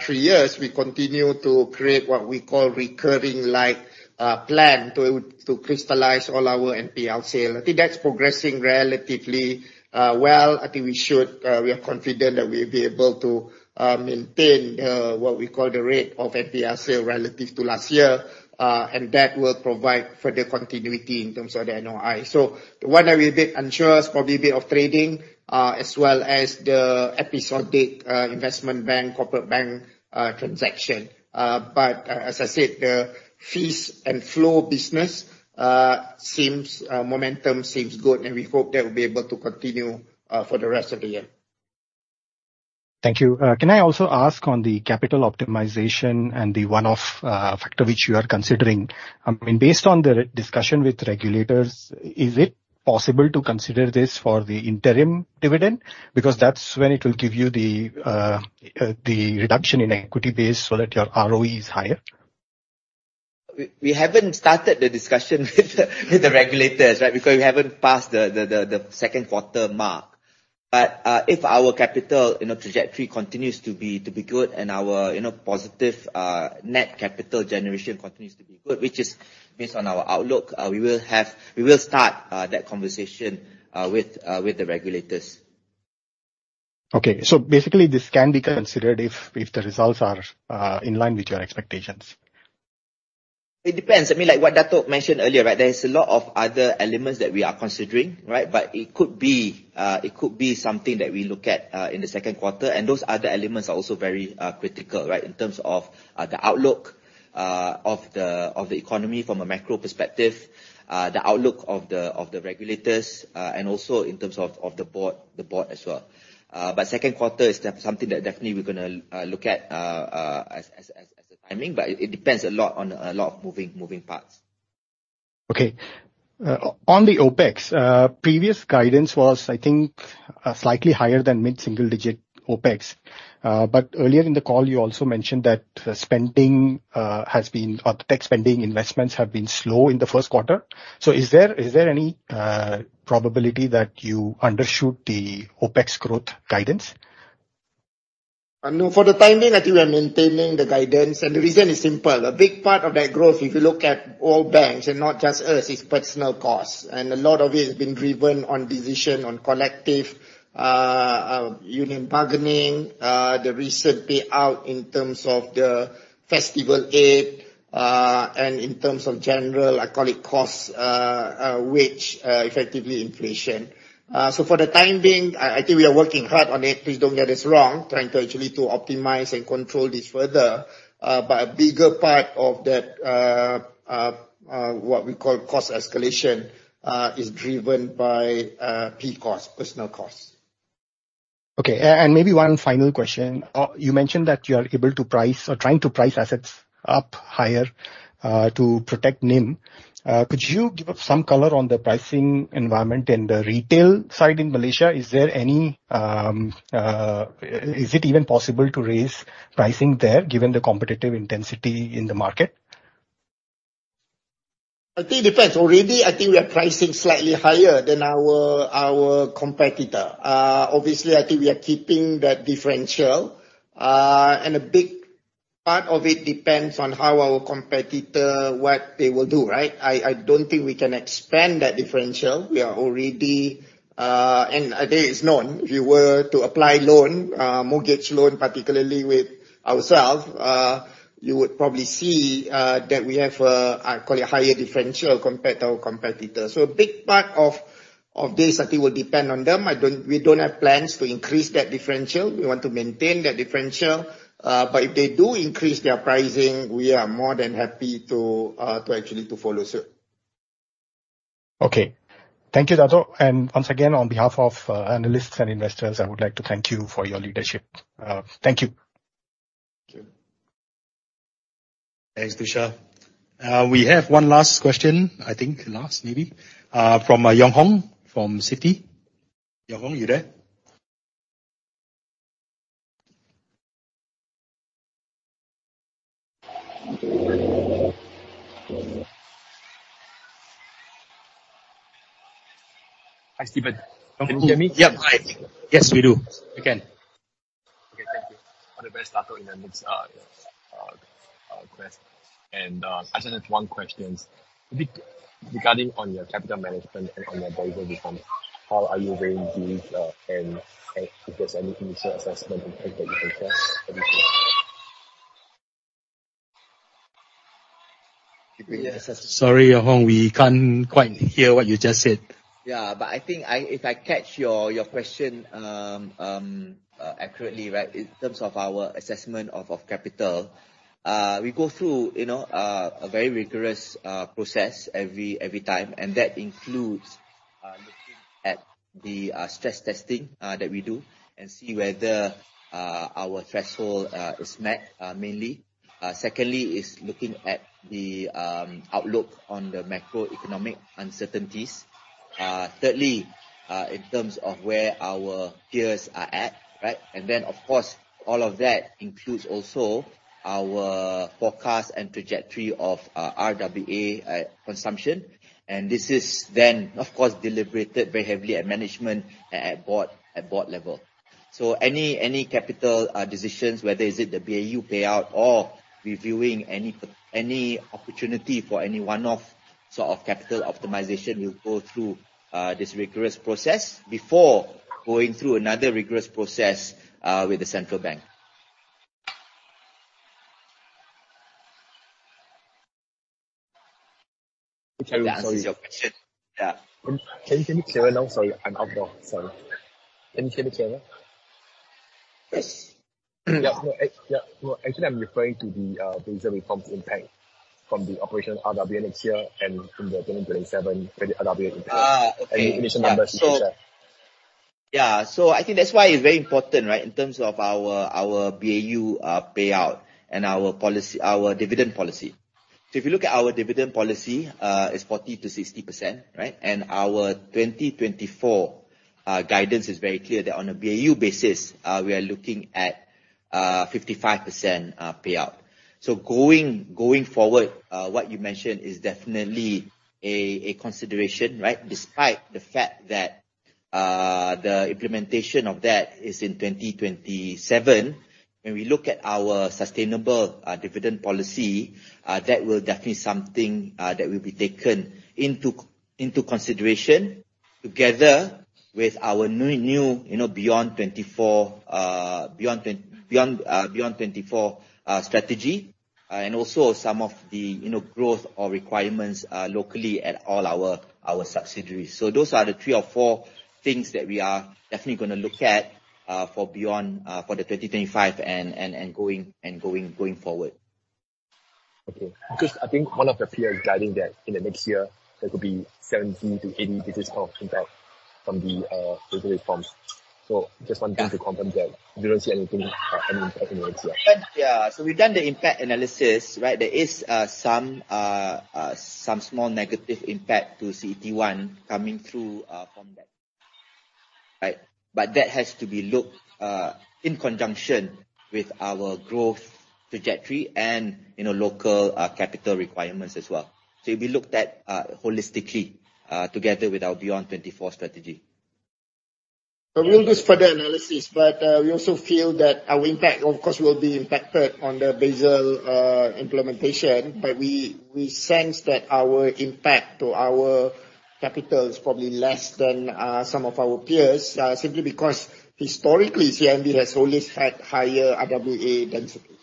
three years, we continue to create what we call recurring-like plan to crystallize all our NPL sale. I think that's progressing relatively well. I think we are confident that we'll be able to maintain what we call the rate of NPL sale relative to last year. That will provide further continuity in terms of the NOI. The one that we a bit unsure is probably a bit of trading, as well as the episodic investment bank, corporate bank transaction. As I said, the fees and flow business momentum seems good, and we hope that will be able to continue for the rest of the year. Thank you. Can I also ask on the capital optimization and the one-off factor which you are considering? Based on the discussion with regulators, is it possible to consider this for the interim dividend? That's when it will give you the reduction in equity base so that your ROE is higher. We haven't started the discussion with the regulators because we haven't passed the second quarter mark. If our capital trajectory continues to be good and our positive net capital generation continues to be good, which is based on our outlook, we will start that conversation with the regulators. Okay, basically, this can be considered if the results are in line with your expectations. It depends. Like what Dato mentioned earlier, there is a lot of other elements that we are considering. It could be something that we look at in the second quarter, and those other elements are also very critical. In terms of the outlook of the economy from a macro perspective, the outlook of the regulators, and also in terms of the board as well. Second quarter is something that definitely we're going to look at as a timing, but it depends a lot on a lot of moving parts. Okay. On the OpEx, previous guidance was, I think, slightly higher than mid-single digit OpEx. Earlier in the call, you also mentioned that tech spending investments have been slow in the first quarter. Is there any probability that you undershoot the OpEx growth guidance? For the time being, I think we're maintaining the guidance, the reason is simple. A big part of that growth, if you look at all banks and not just us, is personal cost. A lot of it has been driven on decision on collective union bargaining, the recent payout in terms of the festival aid, and in terms of general, I call it cost, which effectively inflation. For the time being, I think we are working hard on it, please don't get us wrong, trying to actually optimize and control this further. A bigger part of that, what we call cost escalation, is driven by P cost, personal cost. Okay. Maybe one final question. You mentioned that you are able to price or trying to price assets up higher, to protect NIM. Could you give us some color on the pricing environment in the retail side in Malaysia? Is it even possible to raise pricing there given the competitive intensity in the market? I think it depends. Already, I think we are pricing slightly higher than our competitor. Obviously, I think we are keeping that differential. A big part of it depends on our competitor, what they will do. I don't think we can expand that differential. We are already, and there is none. If you were to apply loan, mortgage loan, particularly with ourselves, you would probably see that we have, I call it, a higher differential compared to our competitor. A big part of this, I think, will depend on them. We don't have plans to increase that differential. We want to maintain that differential. If they do increase their pricing, we are more than happy to actually follow suit. Okay. Thank you, Dato. Once again, on behalf of analysts and investors, I would like to thank you for your leadership. Thank you. Thank you. Thanks, Tushar. We have one last question, I think the last maybe, from Yong Hong from Citi. Yong Hong, you there? Hi, Steven. Can you hear me? Yep. Hi. Yes, we do. We can. Okay, thank you. All the best, Dato, in the next- request. I just have one questions. Regarding on your capital management and on your Basel reforms, how are you weighing these? If there's any initial assessment impact that you can share? Sorry, Yong Hong, we can't quite hear what you just said. I think if I catch your question accurately, right, in terms of our assessment of capital, we go through a very rigorous process every time, and that includes looking at the stress testing that we do and see whether our threshold is met, mainly. Secondly, is looking at the outlook on the macroeconomic uncertainties. Thirdly, in terms of where our peers are at, right? Of course, all of that includes also our forecast and trajectory of RWA consumption. This is then, of course, deliberated very heavily at management, at board level. Any capital decisions, whether is it the BAU payout or reviewing any opportunity for any one-off sort of capital optimization, will go through this rigorous process before going through another rigorous process with the central bank. Okay. Hope that answers your question. Yeah. Can you hear me clearer now? Sorry, I'm outdoor. Sorry. Can you hear me clearer? Yes. Yeah. Actually, I'm referring to the Basel reforms impact from the operational RWA next year and from the 2027 credit RWA. Okay. Any initial numbers you can share. I think that's why it's very important, right, in terms of our BAU payout and our dividend policy. If you look at our dividend policy, it's 40%-60%, right? Our 2024 guidance is very clear that on a BAU basis, we are looking at 55% payout. Going forward, what you mentioned is definitely a consideration, right? Despite the fact that the implementation of that is in 2027, when we look at our sustainable dividend policy, that will definitely something that will be taken into consideration together with our new Beyond24 strategy, and also some of the growth or requirements locally at all our subsidiaries. Those are the three or four things that we are definitely going to look at for the 2025 and going forward. Okay. Because I think one of the peers guiding that in the next year, there could be 70-80 basis point impact from the Basel reforms. Just wanting to confirm that you don't see anything else here. Yeah. We've done the impact analysis, right? There is some small negative impact to CET1 coming through from that. Right. That has to be looked in conjunction with our growth trajectory and local capital requirements as well. It'll be looked at holistically, together with our Beyond24 strategy. We'll do further analysis, but we also feel that our impact, of course, will be impacted on the Basel implementation. We sense that our impact to our capital is probably less than some of our peers, simply because historically, CIMB has always had higher RWA density.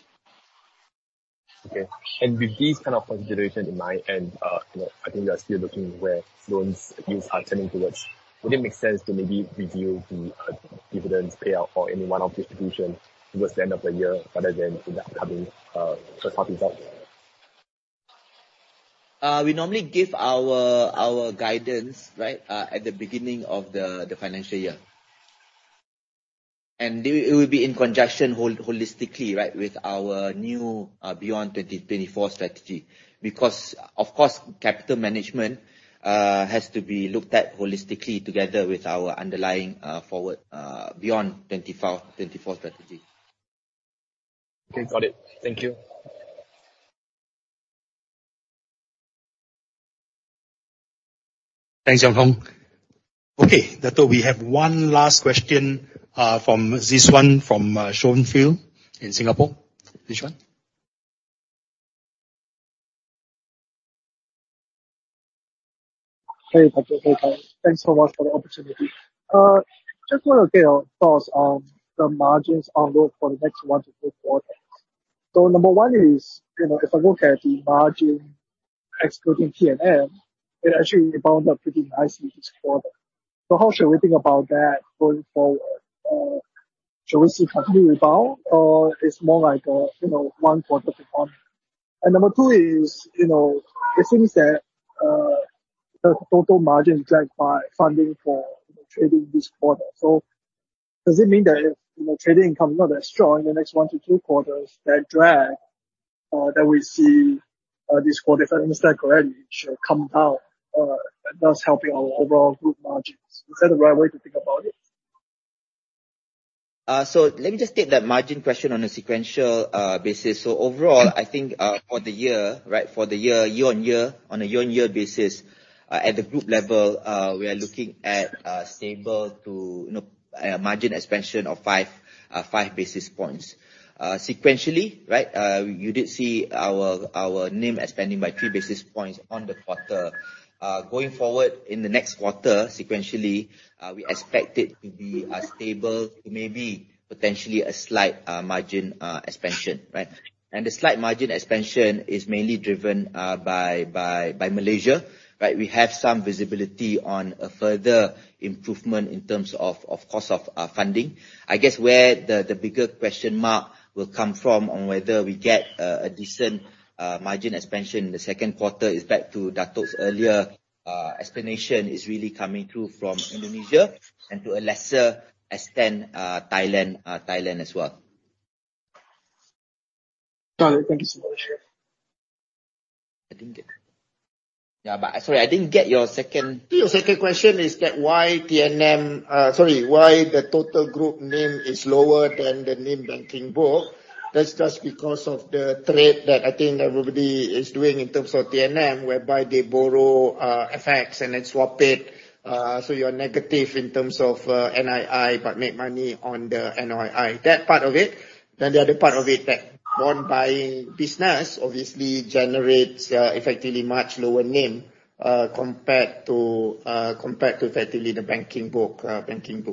Okay. With these kind of consideration in mind, and I think we are still looking where loans use are turning towards, would it make sense to maybe review the dividends payout or any one-off distribution towards the end of the year rather than in the upcoming first half results? We normally give our guidance, right, at the beginning of the financial year. It will be in conjunction holistically, right, with our new Beyond 2024 strategy. Of course, capital management has to be looked at holistically together with our underlying Beyond24 strategy. Okay, got it. Thank you. Thanks, Yong Hong. Dato, we have one last question from Zhi Xuan from Schonfeld in Singapore. Zhi Xuan? Hey, Dato, Ho. Thanks so much for the opportunity. Just want to get your thoughts on the margins outlook for the next one to two quarters. Number 1 is, if I look at the margin excluding PMM, it actually rebound up pretty nicely this quarter. How should we think about that going forward? Should we see completely rebound or it's more like one quarter to one? Number 2 is, it seems that the total margin is dragged by funding for trading this quarter. Does it mean that if trading income is not that strong in the next one to two quarters, that drag, that we see this quarter earnings come down, thus helping our overall group margins? Is that the right way to think about it? Let me just take that margin question on a sequential basis. Overall, I think for the year, right, for the year-on-year, on a year-on-year basis, at the group level, we are looking at stable to a margin expansion of five basis points. Sequentially, right, you did see our NIM expanding by three basis points on the quarter. Going forward in the next quarter, sequentially, we expect it to be stable to maybe potentially a slight margin expansion, right? The slight margin expansion is mainly driven by Malaysia. We have some visibility on a further improvement in terms of cost of funding. I guess where the bigger question mark will come from on whether we get a decent margin expansion in the second quarter is back to Dato' earlier explanation, is really coming through from Indonesia and to a lesser extent, Thailand as well. Got it. Thank you so much. I didn't get your second question. I think your second question is that why the total group NIM is lower than the NIM banking book. That's just because of the trade that I think everybody is doing in terms of TNM, whereby they borrow FX and then swap it, so you're negative in terms of NII but make money on the NOI. That part of it. The other part of it, that bond buying business obviously generates effectively much lower NIM, compared to effectively the banking book NIM.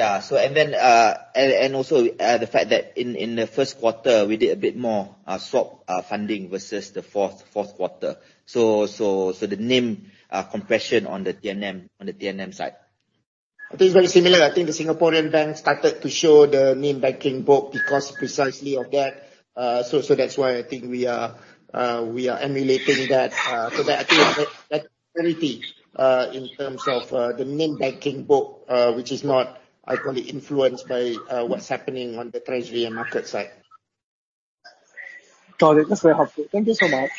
Also, the fact that in the first quarter, we did a bit more swap funding versus the fourth quarter. The NIM compression on the TNM side. I think it's very similar. I think the Singaporean bank started to show the NIM banking book because precisely of that. That's why I think we are emulating that. That, I think that clarity in terms of the NIM banking book which is not, I call it, influenced by what's happening on the treasury and market side. Got it. That's very helpful. Thank you so much.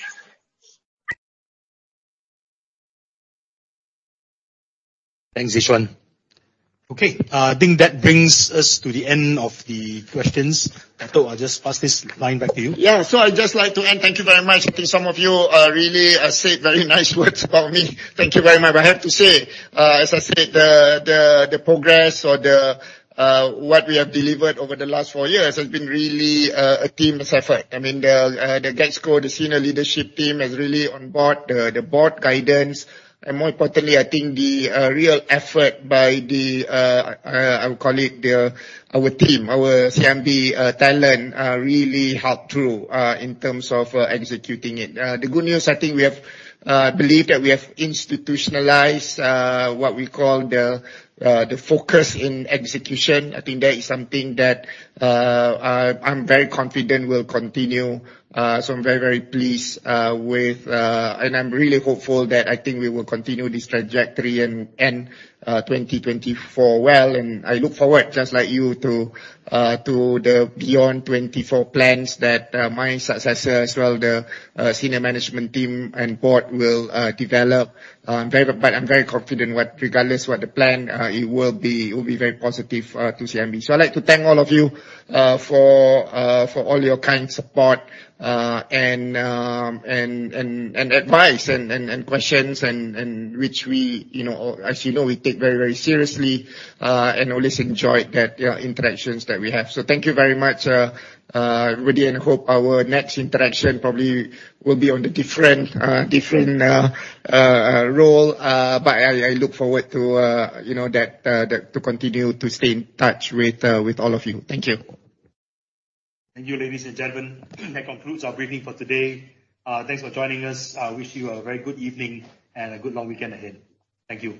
Thanks, Zeeshan. I think that brings us to the end of the questions. Dato', I'll just pass this line back to you. I'd just like to end. Thank you very much. I think some of you really said very nice words about me. Thank you very much. I have to say, as I said, the progress or what we have delivered over the last four years has been really a team effort. I mean, the GEXCO, the senior leadership team is really on board, the board guidance, and more importantly, I think the real effort by the, I would call it, our team, our CIMB talent, really helped through in terms of executing it. The good news, I think we have belief that we have institutionalized what we call the focus in execution. I think that is something that I'm very confident will continue. I'm very, very pleased with, and I'm really hopeful that I think we will continue this trajectory and end 2024 well. I look forward, just like you, to the Beyond24 plans that my successor as well, the senior management team and board will develop. I'm very confident, regardless what the plan, it will be very positive to CIMB. I'd like to thank all of you for all your kind support, and advice, and questions, and which we, as you know, we take very, very seriously, and always enjoyed that interactions that we have. Thank you very much everybody, and hope our next interaction probably will be on a different role. I look forward to continue to stay in touch with all of you. Thank you. Thank you, ladies and gentlemen. That concludes our briefing for today. Thanks for joining us. I wish you a very good evening and a good long weekend ahead. Thank you